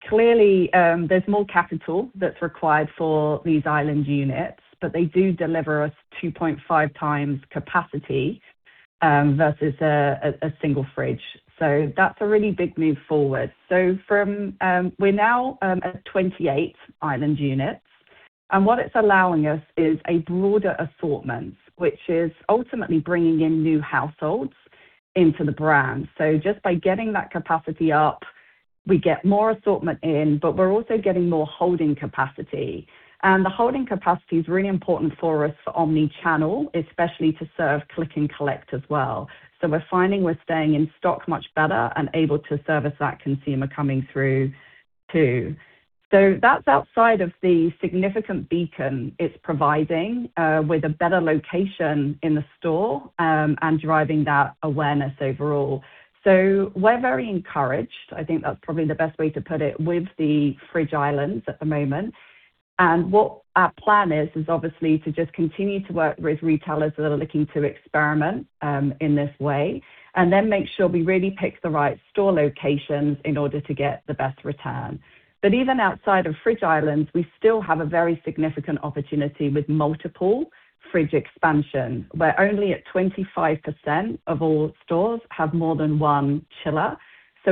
Clearly, there's more capital that's required for these island units, but they do deliver us 2.5x capacity versus a, a single fridge. That's a really big move forward. From, we're now at 28 island units, and what it's allowing us is a broader assortment, which is ultimately bringing in new households into the brand. Just by getting that capacity up, we get more assortment in, but we're also getting more holding capacity. The holding capacity is really important for us for omni-channel, especially to serve click and collect as well. We're finding we're staying in stock much better and able to service that consumer coming through, too. That's outside of the significant beacon it's providing with a better location in the store and driving that awareness overall. We're very encouraged. I think that's probably the best way to put it with the Fridge Islands at the moment. What our plan is, is obviously to just continue to work with retailers that are looking to experiment in this way, and then make sure we really pick the right store locations in order to get the best return. Even outside of Fridge Islands, we still have a very significant opportunity with multiple fridge expansion, where only at 25% of all stores have more than one chiller.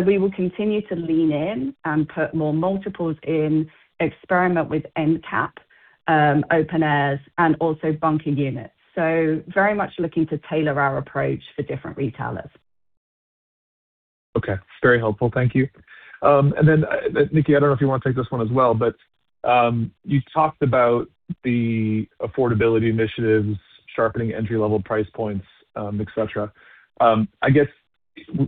We will continue to lean in and put more multiples in, experiment with end cap, open airs, and also bunker units. Very much looking to tailor our approach for different retailers. Okay, very helpful. Thank you. Then, Nicki, I don't know if you want to take this one as well. You talked about the affordability initiatives, sharpening entry-level price points, et cetera. I guess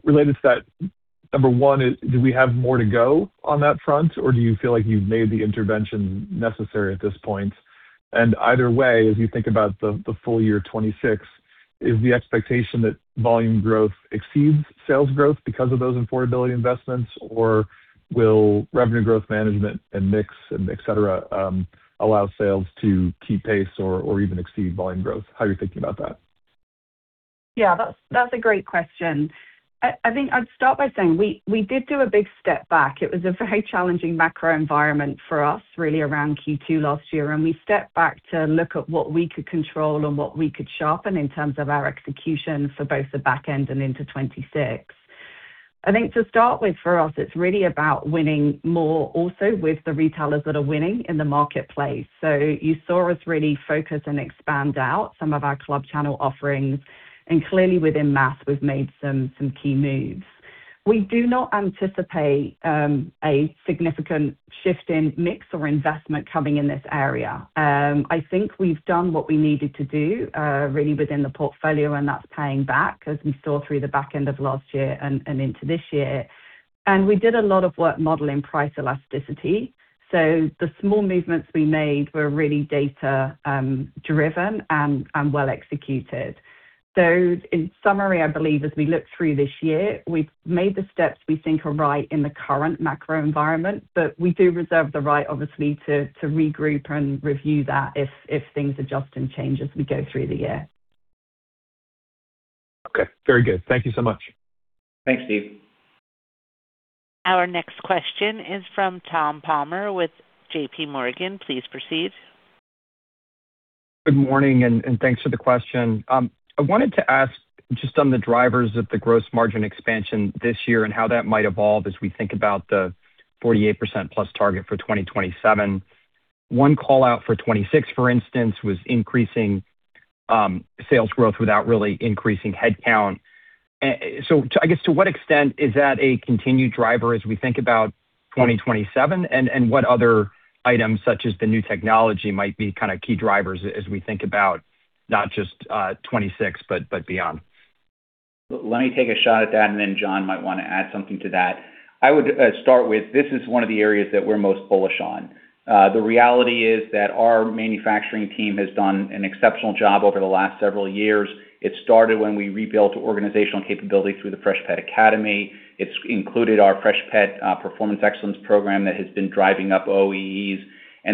related to that, number one, is do we have more to go on that front, or do you feel like you've made the intervention necessary at this point? Either way, as you think about the full year 2026, is the expectation that volume growth exceeds sales growth because of those affordability investments? Or will revenue growth management and mix, and et cetera, allow sales to keep pace or even exceed volume growth? How are you thinking about that? Yeah, that's, that's a great question. I, I think I'd start by saying we, we did do a big step back. It was a very challenging macro environment for us, really, around Q2 last year, and we stepped back to look at what we could control and what we could sharpen in terms of our execution for both the back end and into 26. I think to start with, for us, it's really about winning more also with the retailers that are winning in the marketplace. So you saw us really focus and expand out some of our club channel offerings, and clearly, within mass, we've made some, some key moves. We do not anticipate a significant shift in mix or investment coming in this area. I think we've done what we needed to do, really within the portfolio, and that's paying back as we saw through the back end of last year and into this year. We did a lot of work modeling price elasticity. The small movements we made were really data driven and well executed. In summary, I believe as we look through this year, we've made the steps we think are right in the current macro environment, but we do reserve the right, obviously, to, to regroup and review that if, if things adjust and change as we go through the year. Okay, very good. Thank you so much. Thanks, Steve. Our next question is from Thomas Palmer with JP Morgan. Please proceed. Good morning, and, and thanks for the question. I wanted to ask just on the drivers of the gross margin expansion this year and how that might evolve as we think about the 48%+ target for 2027. One call out for 2026, for instance, was increasing sales growth without really increasing headcount. So I guess, to what extent is that a continued driver as we think about 2027? What other items, such as the new technology, might be kind of key drivers as we think about not just 2026, but, but beyond? Let me take a shot at that, then John might wanna add something to that. I would start with, this is one of the areas that we're most bullish on. The reality is that our manufacturing team has done an exceptional job over the last several years. It started when we rebuilt organizational capabilities through the Freshpet Academy. It's included our Freshpet Performance Excellence Program that has been driving up OEEs,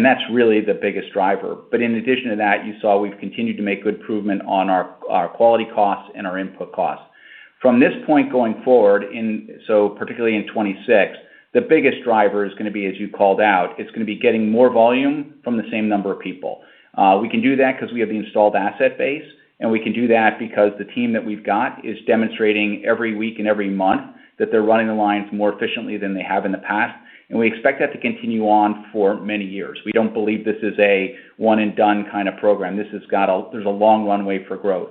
that's really the biggest driver. In addition to that, you saw we've continued to make good improvement on our quality costs and our input costs. From this point going forward, particularly in 26, the biggest driver is gonna be, as you called out, it's gonna be getting more volume from the same number of people. We can do that because we have the installed asset base. We can do that because the team that we've got is demonstrating every week and every month that they're running the lines more efficiently than they have in the past. We expect that to continue on for many years. We don't believe this is a one-and-done kind of program. This has got a long runway for growth.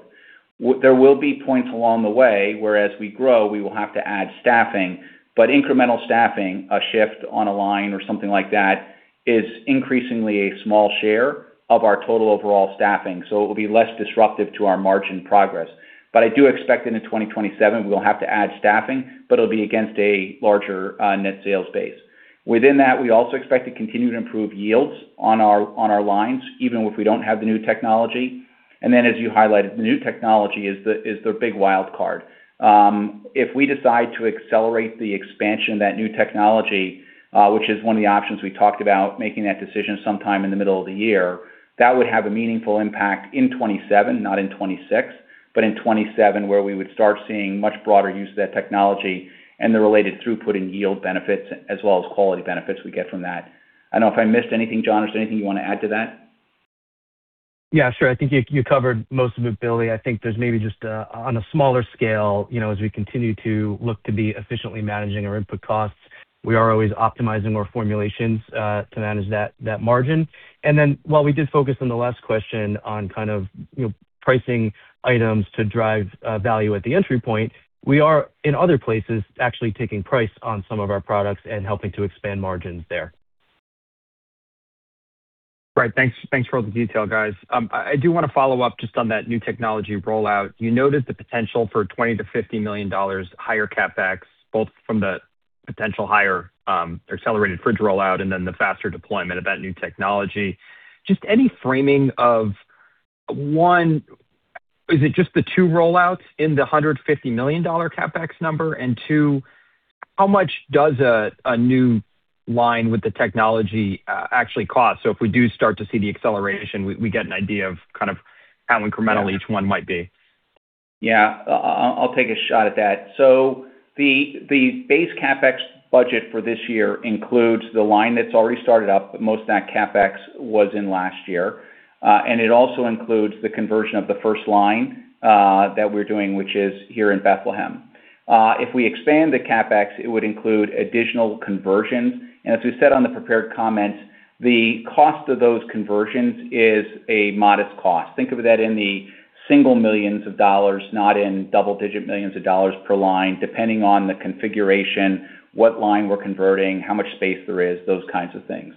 There will be points along the way, where as we grow, we will have to add staffing, but incremental staffing, a shift on a line or something like that, is increasingly a small share of our total overall staffing, so it will be less disruptive to our margin progress. I do expect in 2027, we will have to add staffing, but it'll be against a larger net sales base. Within that, we also expect to continue to improve yields on our, on our lines, even if we don't have the new technology. As you highlighted, the new technology is the, is the big wild card. If we decide to accelerate the expansion of that new technology, which is one of the options we talked about, making that decision sometime in the middle of the year, that would have a meaningful impact in 27, not in 26, but in 27, where we would start seeing much broader use of that technology and the related throughput and yield benefits, as well as quality benefits we get from that. I don't know if I missed anything, John, or is there anything you want to add to that? Yeah, sure. I think you, you covered most of it, Billy. I think there's maybe just a, on a smaller scale, you know, as we continue to look to be efficiently managing our input costs, we are always optimizing our formulations, to manage that, that margin. While we did focus on the last question on kind of, you know, pricing items to drive, value at the entry point, we are, in other places, actually taking price on some of our products and helping to expand margins there. Right. Thanks, thanks for all the detail, guys. I, I do wanna follow up just on that new technology rollout. You noted the potential for $20 million-$50 million higher CapEx, both from the potential higher, accelerated Fridge rollout and then the faster deployment of that new technology. Any framing of, one is it just the two rollouts in the $150 million CapEx number? Two, how much does a new line with the technology actually cost? If we do start to see the acceleration, we get an idea of kind of how incremental each one might be. Yeah, I'll take a shot at that. The base CapEx budget for this year includes the line that's already started up, most of that CapEx was in last year. It also includes the conversion of the first line that we're doing, which is here in Bethlehem. If we expand the CapEx, it would include additional conversions. As we said on the prepared comments, the cost of those conversions is a modest cost. Think of that in single millions of dollars, not in double-digit millions of dollars per line, depending on the configuration, what line we're converting, how much space there is, those kinds of things.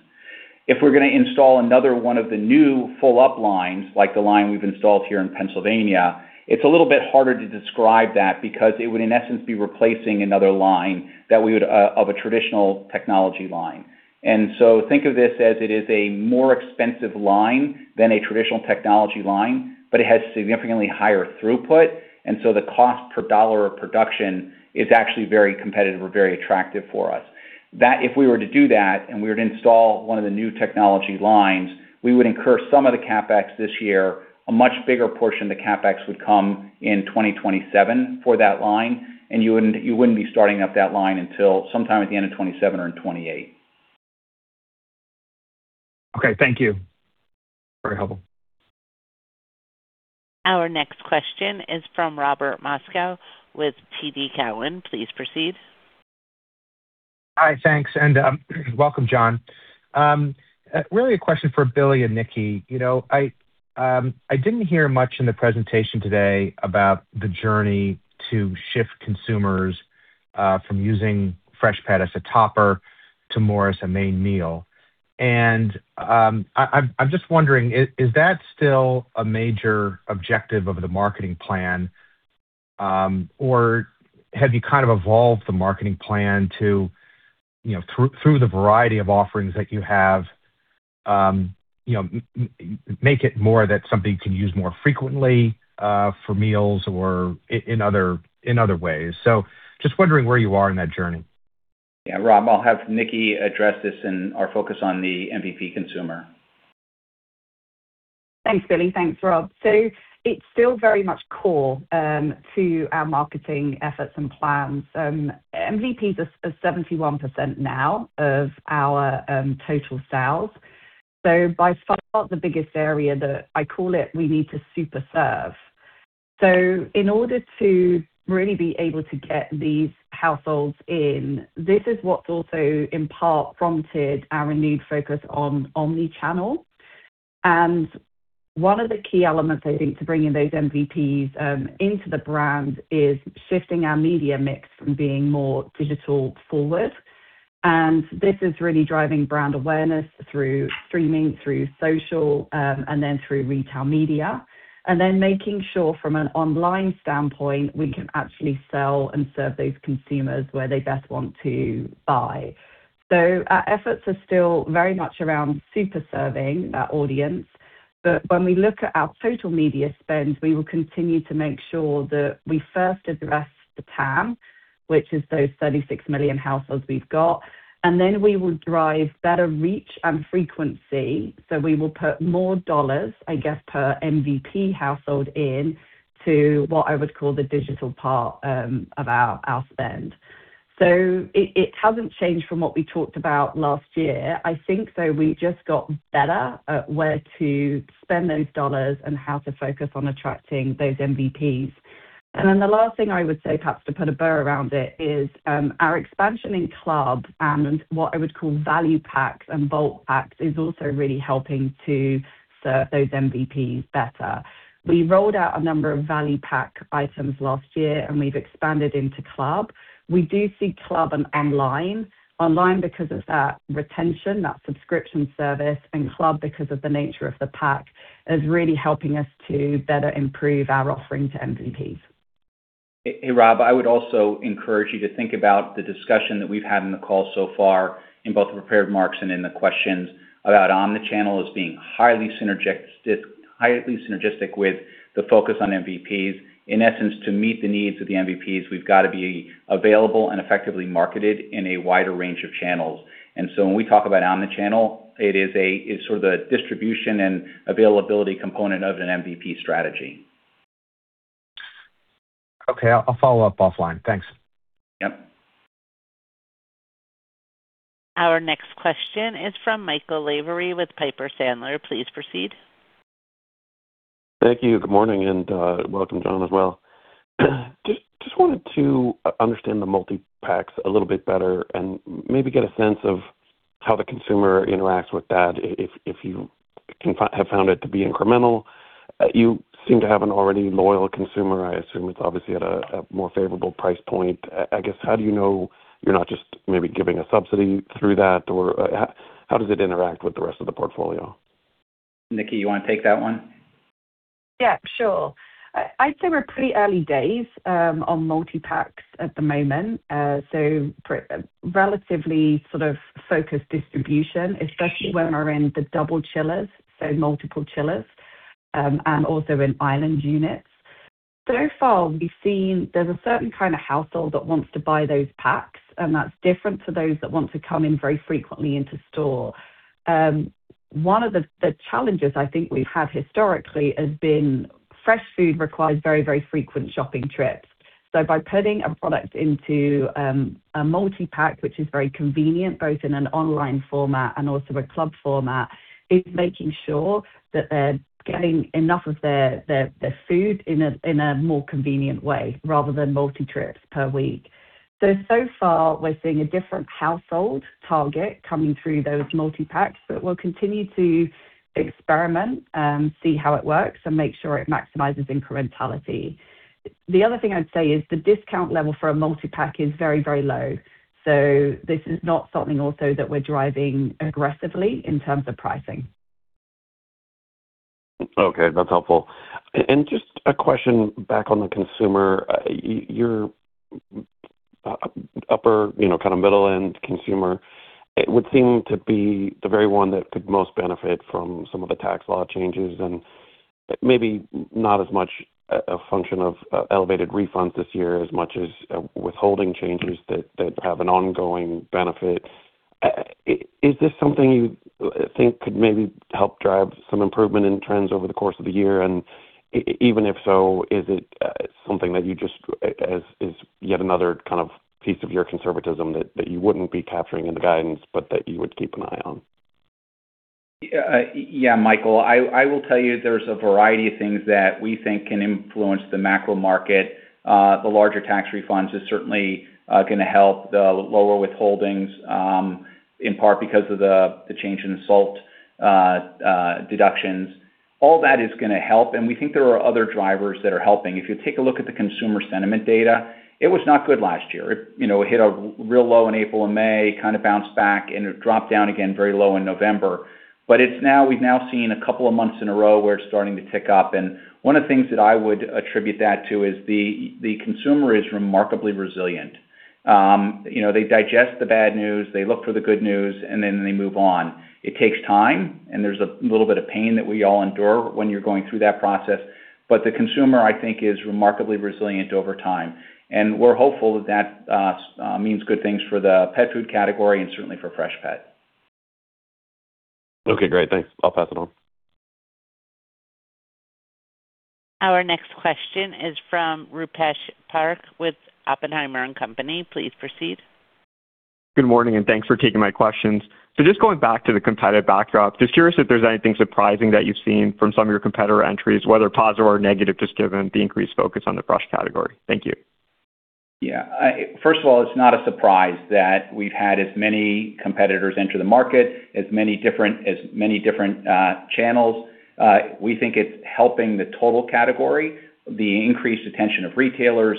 If we're going to install another one of the new full up lines, like the line we've installed here in Pennsylvania, it's a little bit harder to describe that because it would, in essence, be replacing another line that we would of a traditional technology line. So think of this as it is a more expensive line than a traditional technology line, but it has significantly higher throughput, and so the cost per dollar of production is actually very competitive or very attractive for us. That, if we were to do that, and we were to install one of the new technology lines, we would incur some of the CapEx this year. A much bigger portion of the CapEx would come in 2027 for that line, you wouldn't, you wouldn't be starting up that line until sometime at the end of 2027 or in 2028. Okay, thank you. Very helpful. Our next question is from Robert Moskow with TD Cowen. Please proceed. Hi, thanks, and, welcome, John O'Connor. Really a question for Billy Cyr and Nicki Baty. You know, I, I didn't hear much in the presentation today about the journey to shift consumers, from using Freshpet as a topper to more as a main meal. I, I'm, I'm just wondering, is, is that still a major objective of the marketing plan, or have you kind of evolved the marketing plan to, you know, through, through the variety of offerings that you have, you know, m-m-make it more that something you can use more frequently, for meals or i-in other, in other ways? Just wondering where you are in that journey. Yeah, Rob, I'll have Nicky address this in our focus on the MVP consumer. Thanks, Billy. Thanks, Rob. It's still very much core to our marketing efforts and plans. MVPs are 71% now of our total sales. By far, the biggest area that I call it, we need to super serve. In order to really be able to get these households in, this is what's also in part, prompted our renewed focus on omni-channel. One of the key elements, I think, to bringing those MVPs into the brand is shifting our media mix from being more digital forward. This is really driving brand awareness through streaming, through social, and then through retail media, and then making sure from an online standpoint, we can actually sell and serve those consumers where they best want to buy. Our efforts are still very much around super serving that audience, but when we look at our total media spend, we will continue to make sure that we first address the TAM, which is those 36 million households we've got, and then we will drive better reach and frequency. We will put more dollars, I guess, per MVP household in to what I would call the digital part of our, our spend. It, it hasn't changed from what we talked about last year. I think, though, we just got better at where to spend those dollars and how to focus on attracting those MVPs. Then the last thing I would say, perhaps to put a bow around it, is our expansion in club and what I would call value packs and bulk packs, is also really helping to serve those MVPs better. We rolled out a number of value pack items last year. We've expanded into club. We do see club and online. Online because of that retention, that subscription service, and club because of the nature of the pack, is really helping us to better improve our offering to MVPs. Hey, Rob, I would also encourage you to think about the discussion that we've had in the call so far, in both the prepared marks and in the questions about omni-channel as being highly synergistic, highly synergistic with the focus on MVPs. In essence, to meet the needs of the MVPs, we've got to be available and effectively marketed in a wider range of channels. So when we talk about omni-channel, it is a, sort of a distribution and availability component of an MVP strategy. Okay, I'll follow up offline. Thanks. Yep. Our next question is from Michael Lavery with Piper Sandler. Please proceed. Thank you. Good morning, and welcome, John, as well. Just, just wanted to understand the multipacks a little bit better and maybe get a sense of how the consumer interacts with that, if you can, have found it to be incremental. You seem to have an already loyal consumer. I assume it's obviously at a more favorable price point. I guess, how do you know you're not just maybe giving a subsidy through that, or how does it interact with the rest of the portfolio? Nicki, you want to take that one? Yeah, sure. I'd say we're pretty early days on multipacks at the moment. For relatively sort of focused distribution, especially when we're in the double chillers, so multiple chillers, and also in island units. So far, we've seen there's a certain kind of household that wants to buy those packs, and that's different to those that want to come in very frequently into store. One of the, the challenges I think we've had historically has been fresh food requires very, very frequent shopping trips. By putting a product into a multipack, which is very convenient, both in an online format and also a club format, is making sure that they're getting enough of their, their, their food in a, in a more convenient way rather than multi trips per week. So far, we're seeing a different household target coming through those multipacks, but we'll continue to experiment and see how it works and make sure it maximizes incrementality. The other thing I'd say is the discount level for a multipack is very, very low, this is not something also that we're driving aggressively in terms of pricing. Okay, that's helpful. Just a question back on the consumer. your upper, you know, kind of middle-end consumer, it would seem to be the very one that could most benefit from some of the tax law changes, and maybe not as much a function of elevated refunds this year, as much as withholding changes that, that have an ongoing benefit. Is this something you think could maybe help drive some improvement in trends over the course of the year? Even if so, is it something that you just, is yet another kind of piece of your conservatism that, that you wouldn't be capturing in the guidance, but that you would keep an eye on? Yeah, Michael, I, I will tell you, there's a variety of things that we think can influence the macro market. The larger tax refunds is certainly, gonna help the lower withholdings, in part because of the, the change in the SALT deductions. All that is gonna help. We think there are other drivers that are helping. If you take a look at the consumer sentiment data, it was not good last year. It, you know, it hit a real low in April and May, kind of bounced back, and it dropped down again, very low in November. It's now, we've now seen a couple of months in a row where it's starting to tick up. One of the things that I would attribute that to is the, the consumer is remarkably resilient. You know, they digest the bad news, they look for the good news, and then they move on. It takes time, and there's a little bit of pain that we all endure when you're going through that process, but the consumer, I think, is remarkably resilient over time. We're hopeful that means good things for the pet food category and certainly for Freshpet. Okay, great. Thanks. I'll pass it on. Our next question is from Rupesh Parikh with Oppenheimer & Co. Inc. Please proceed. Good morning, and thanks for taking my questions. Just going back to the competitive backdrop, just curious if there's anything surprising that you've seen from some of your competitor entries, whether positive or negative, just given the increased focus on the fresh category? Thank you. Yeah, first of all, it's not a surprise that we've had as many competitors enter the market, as many different, as many different channels. We think it's helping the total category, the increased attention of retailers,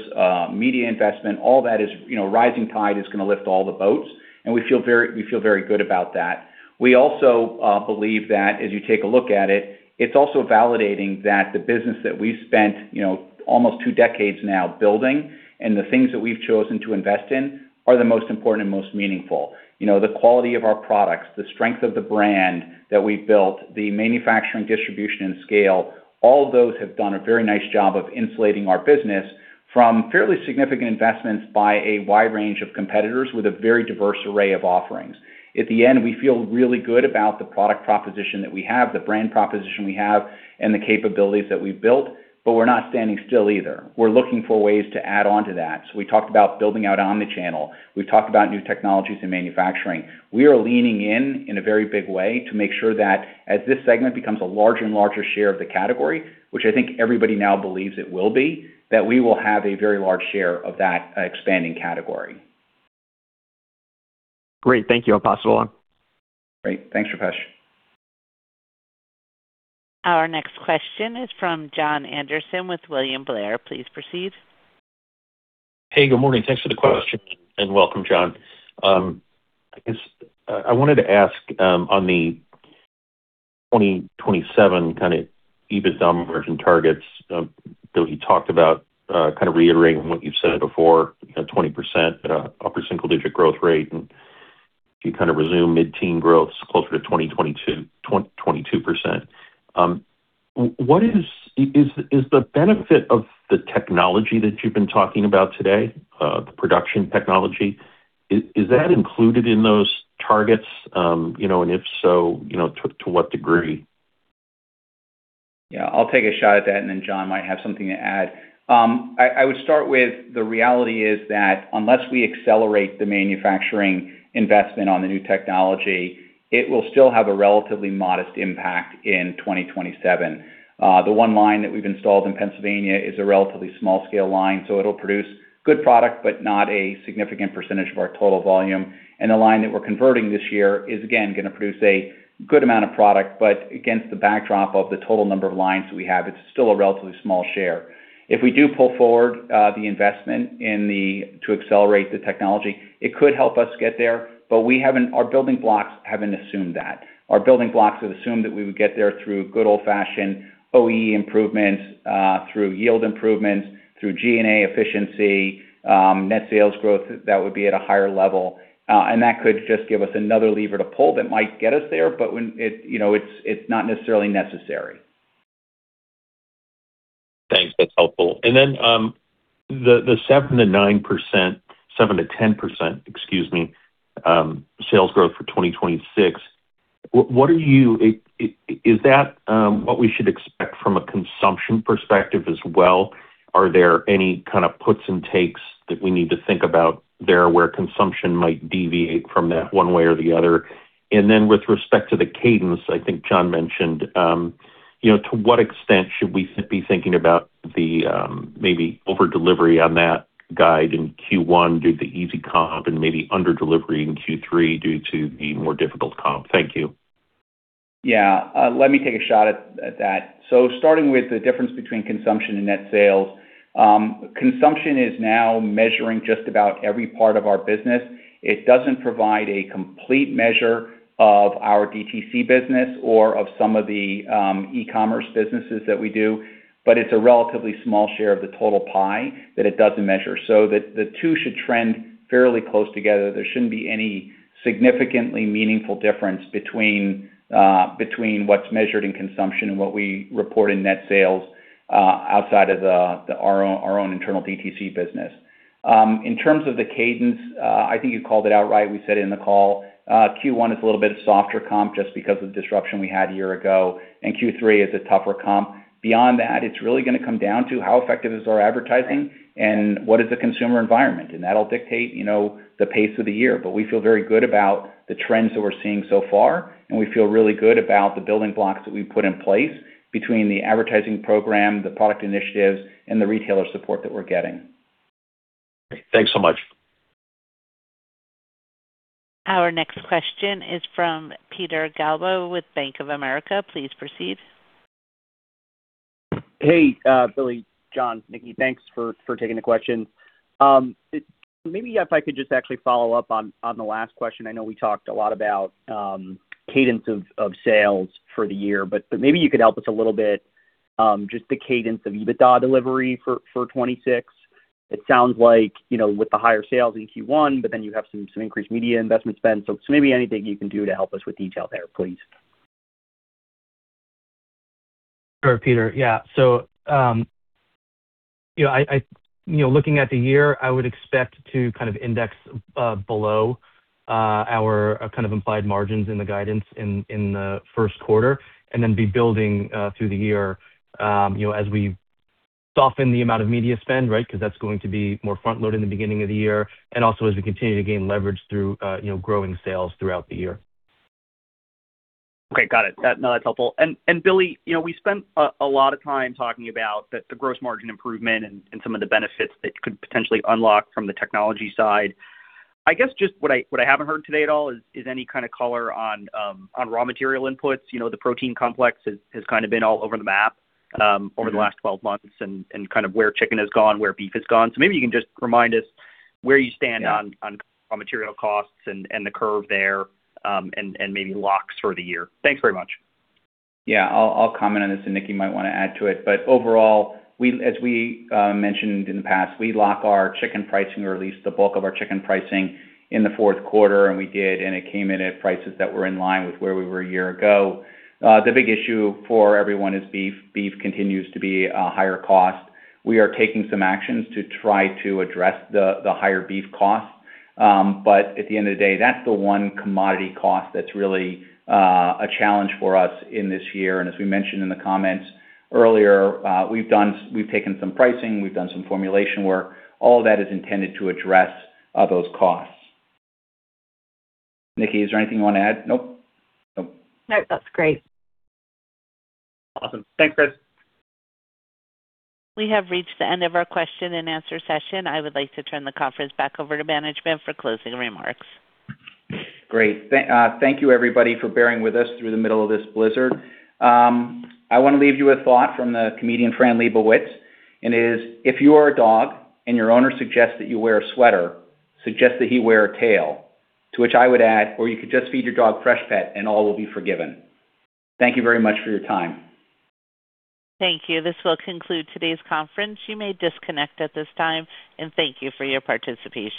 media investment, all that is, you know, rising tide is gonna lift all the boats, and we feel very, we feel very good about that. We also believe that as you take a look at it, it's also validating that the business that we've spent, you know, almost 2 decades now building, and the things that we've chosen to invest in, are the most important and most meaningful. You know, the quality of our products, the strength of the brand that we've built, the manufacturing, distribution, and scale, all of those have done a very nice job of insulating our business from fairly significant investments by a wide range of competitors with a very diverse array of offerings. At the end, we feel really good about the product proposition that we have, the brand proposition we have, and the capabilities that we've built. We're not standing still either. We're looking for ways to add on to that. We talked about building out omnichannel. We've talked about new technologies and manufacturing. We are leaning in, in a very big way, to make sure that as this segment becomes a larger and larger share of the category, which I think everybody now believes it will be, that we will have a very large share of that expanding category. Great. Thank you. I'll pass it along. Great. Thanks, Rupesh. Our next question is from Jon Andersen with William Blair. Please proceed. Hey, good morning. Thanks for the question, and welcome, John. I wanted to ask on the 2027 kind of EBITDA margin targets, though you talked about kind of reiterating what you've said before, 20%, upper single-digit growth rate, and you kind of resume mid-teen growth closer to 2022... 22%. What is the benefit of the technology that you've been talking about today, the production technology, is that included in those targets? You know, and if so, you know, to what degree? Yeah, I'll take a shot at that, and then John might have something to add. I would start with the reality is that unless we accelerate the manufacturing investment on the new technology, it will still have a relatively modest impact in 2027. The one line that we've installed in Pennsylvania is a relatively small scale line, so it'll produce good product, but not a significant percentage of our total volume. The line that we're converting this year is, again, gonna produce a good amount of product, but against the backdrop of the total number of lines we have, it's still a relatively small share. If we do pull forward, the investment to accelerate the technology, it could help us get there, but we haven't. Our building blocks haven't assumed that. Our building blocks have assumed that we would get there through good old-fashioned OEE improvements, through yield improvements, through G&A efficiency, net sales growth, that would be at a higher level. That could just give us another lever to pull that might get us there, but when, you know, it's, it's not necessarily necessary. Thanks. That's helpful. Then, the 7%-9%... 7%-10%, excuse me, sales growth for 2026, what are you, Is that what we should expect from a consumption perspective as well? Are there any kind of puts and takes that we need to think about there, where consumption might deviate from that one way or the other? Then, with respect to the cadence, I think John mentioned, you know, to what extent should we be thinking about the maybe over-delivery on that guide in Q1, due to easy comp and maybe under-delivery in Q3, due to the more difficult comp? Thank you. Yeah, let me take a shot at, at that. Starting with the difference between consumption and net sales. Consumption is now measuring just about every part of our business. It doesn't provide a complete measure of our DTC business or of some of the e-commerce businesses that we do, but it's a relatively small share of the total pie that it doesn't measure. The, the two should trend fairly close together. There shouldn't be any significantly meaningful difference between what's measured in consumption and what we report in net sales, outside of our own, our own internal DTC business. In terms of the cadence, I think you called it out right, we said it in the call. Q1 is a little bit of softer comp just because of disruption we had a year ago. Q3 is a tougher comp. Beyond that, it's really gonna come down to how effective is our advertising and what is the consumer environment? That'll dictate, you know, the pace of the year. We feel very good about the trends that we're seeing so far, and we feel really good about the building blocks that we've put in place between the advertising program, the product initiatives, and the retailer support that we're getting. Thanks so much. Our next question is from Peter Galbo with Bank of America. Please proceed. Hey, Billy, John, Nicki. Thanks for taking the question. Maybe if I could just actually follow up on the last question. I know we talked a lot about cadence of sales for the year, but maybe you could help us a little bit, just the cadence of EBITDA delivery for 2026. It sounds like, you know, with the higher sales in Q1, but then you have some increased media investment spend. Maybe anything you can do to help us with detail there, please. Sure, Peter. Yeah. You know, looking at the year, I would expect to kind of index below our kind of implied margins in the guidance in the first quarter and then be building through the year, you know, as we soften the amount of media spend, right? Because that's going to be more front-loaded in the beginning of the year, and also as we continue to gain leverage through, you know, growing sales throughout the year. Okay, got it. That No, that's helpful. Billy, you know, we spent a lot of time talking about the gross margin improvement and some of the benefits that could potentially unlock from the technology side. I guess, just what I haven't heard today at all is any kind of color on raw material inputs. You know, the protein complex has kind of been all over the map over the last 12 months and kind of where chicken has gone, where beef has gone. Maybe you can just remind us where you stand on raw material costs and the curve there, and maybe locks for the year. Thanks very much. Yeah, I'll, I'll comment on this, and Nicki might want to add to it. Overall, as we mentioned in the past, we lock our chicken pricing or at least the bulk of our chicken pricing in the fourth quarter, and we did, and it came in at prices that were in line with where we were a year ago. The big issue for everyone is beef. Beef continues to be a higher cost. We are taking some actions to try to address the, the higher beef costs, but at the end of the day, that's the one commodity cost that's really a challenge for us in this year. As we mentioned in the comments earlier, we've taken some pricing, we've done some formulation work. All of that is intended to address those costs. Nicki, is there anything you want to add? Nope. Nope. No, that's great. Awesome. Thanks, Chris. We have reached the end of our question and answer session. I would like to turn the conference back over to management for closing remarks. Great. Thank you, everybody, for bearing with us through the middle of this blizzard. I want to leave you with a thought from the comedian Fran Lebowitz, and it is: "If you are a dog and your owner suggests that you wear a sweater, suggest that he wear a tail," to which I would add, or you could just feed your dog Freshpet and all will be forgiven. Thank you very much for your time. Thank you. This will conclude today's conference. You may disconnect at this time, and thank you for your participation.